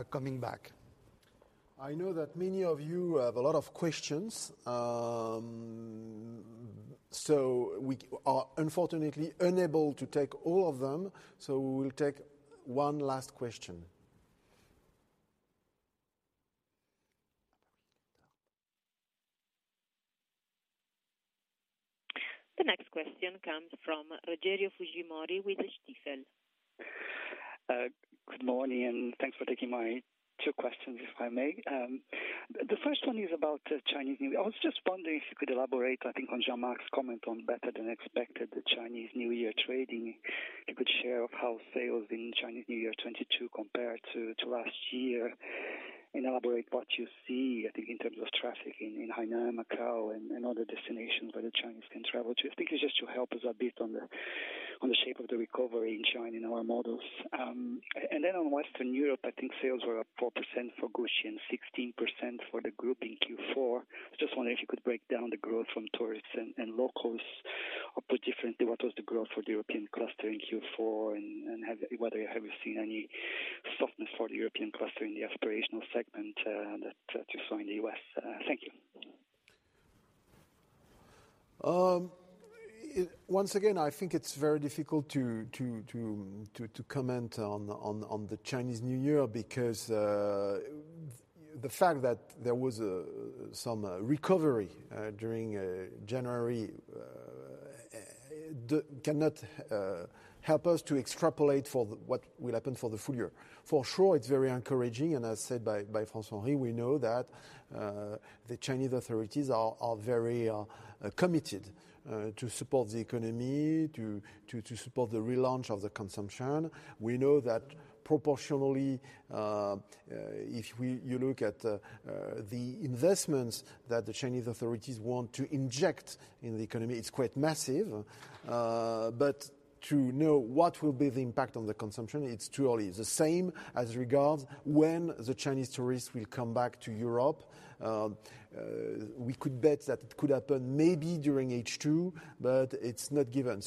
coming back. I know that many of you have a lot of questions, we are unfortunately unable to take all of them, so we will take one last question. The next question comes from Rogerio Fujimori with Stifel. Good morning, thanks for taking my 2 questions, if I may. I was just wondering if you could elaborate, I think, on Jean-Marc's comment on better than expected Chinese New Year trading. If you could share how sales in Chinese New Year 22 compared to last year and elaborate what you see, I think, in terms of traffic in Hainan, Macau, and other destinations where the Chinese can travel to. I think it's just to help us a bit on the shape of the recovery in China in our models. Then on Western Europe, I think sales were up 4% for Gucci and 16% for the group in Q4. I just wonder if you could break down the growth from tourists and locals. Put differently, what was the growth for the European cluster in Q4 and whether you have seen any softness for the European cluster in the aspirational segment that you saw in the U.S.? Thank you. Once again, I think it's very difficult to comment on the Chinese New Year because the fact that there was some recovery during January cannot help us to extrapolate for what will happen for the full year. For sure, it's very encouraging. As said by François-Henri, we know that the Chinese authorities are very committed to support the economy, to support the relaunch of the consumption. We know that proportionally, if you look at the investments that the Chinese authorities want to inject in the economy, it's quite massive. To know what will be the impact on the consumption, it's too early. The same as regards when the Chinese tourists will come back to Europe. We could bet that it could happen maybe during H2, but it's not given.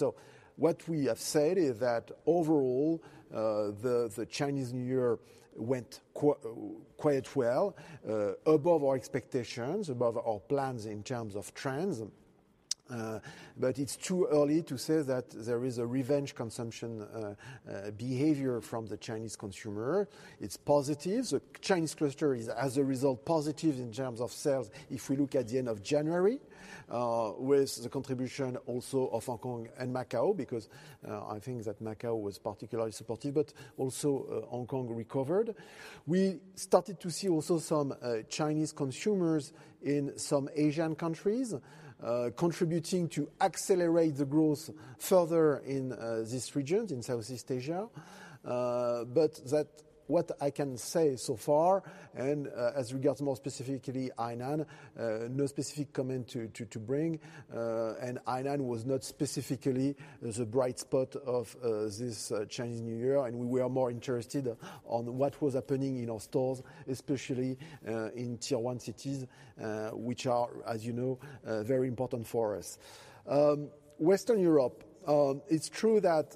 What we have said is that overall, the Chinese New Year went quite well, above our expectations, above our plans in terms of trends. It's too early to say that there is a revenge consumption behavior from the Chinese consumer. It's positive. The Chinese cluster is as a result, positive in terms of sales if we look at the end of January, with the contribution also of Hong Kong and Macau, because I think that Macau was particularly supportive, but also Hong Kong recovered. We started to see also some Chinese consumers in some Asian countries, contributing to accelerate the growth further in this region, in Southeast Asia. What I can say so far, and as regards more specifically Hainan, no specific comment to bring. Hainan was not specifically the bright spot of this Chinese New Year, and we are more interested on what was happening in our stores, especially in Tier 1 cities, which are, you know, very important for us. Western Europe, it's true that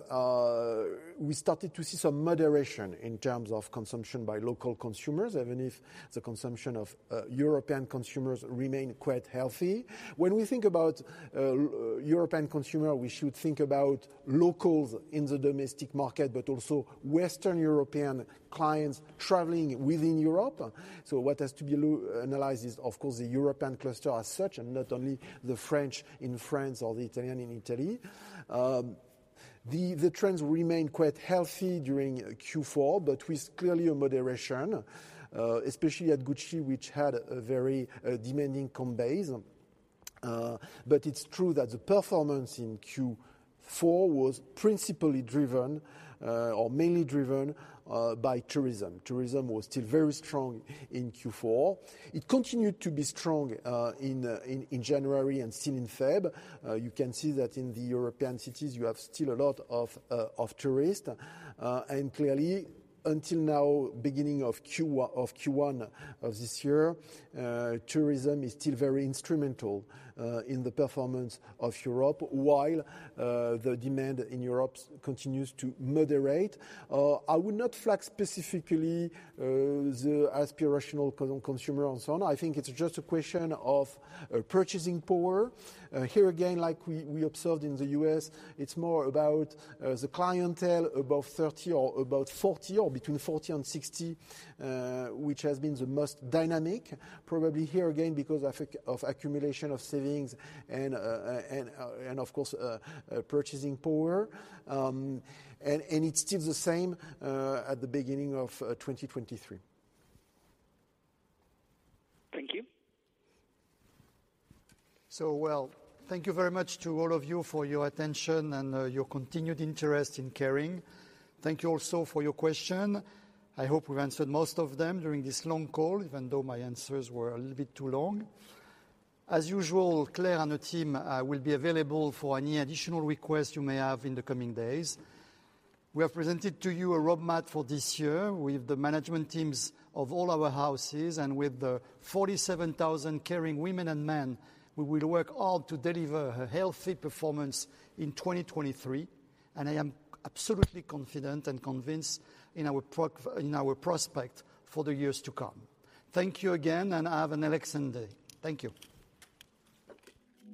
we started to see some moderation in terms of consumption by local consumers, even if the consumption of European consumers remained quite healthy. When we think about European consumer, we should think about locals in the domestic market, but also Western European clients traveling within Europe. What has to be analyzed is, of course, the European cluster as such, and not only the French in France or the Italian in Italy. The trends remained quite healthy during Q4, but with clearly a moderation, especially at Gucci, which had a very demanding comp base. It's true that the performance in Q4 was principally driven, or mainly driven, by tourism. Tourism was still very strong in Q4. It continued to be strong in January and still in Feb. You can see that in the European cities you have still a lot of tourists. Clearly until now, beginning of Q1 of this year, tourism is still very instrumental in the performance of Europe while the demand in Europe continues to moderate. I would not flag specifically the aspirational con-consumer and so on. I think it's just a question of purchasing power. Here again, like we observed in the US, it's more about the clientele above 30 or above 40 or between 40 and 60, which has been the most dynamic probably here again because of accumulation of savings and of course, purchasing power. It's still the same at the beginning of 2023. Thank you. Well, thank you very much to all of you for your attention and your continued interest in Kering. Thank you also for your question. I hope we've answered most of them during this long call, even though my answers were a little bit too long. As usual, Claire and the team will be available for any additional requests you may have in the coming days. We have presented to you a roadmap for this year with the management teams of all our houses and with the 47,000 Kering women and men, we will work hard to deliver a healthy performance in 2023, and I am absolutely confident and convinced in our prospect for the years to come. Thank you again, and have an excellent day. Thank you.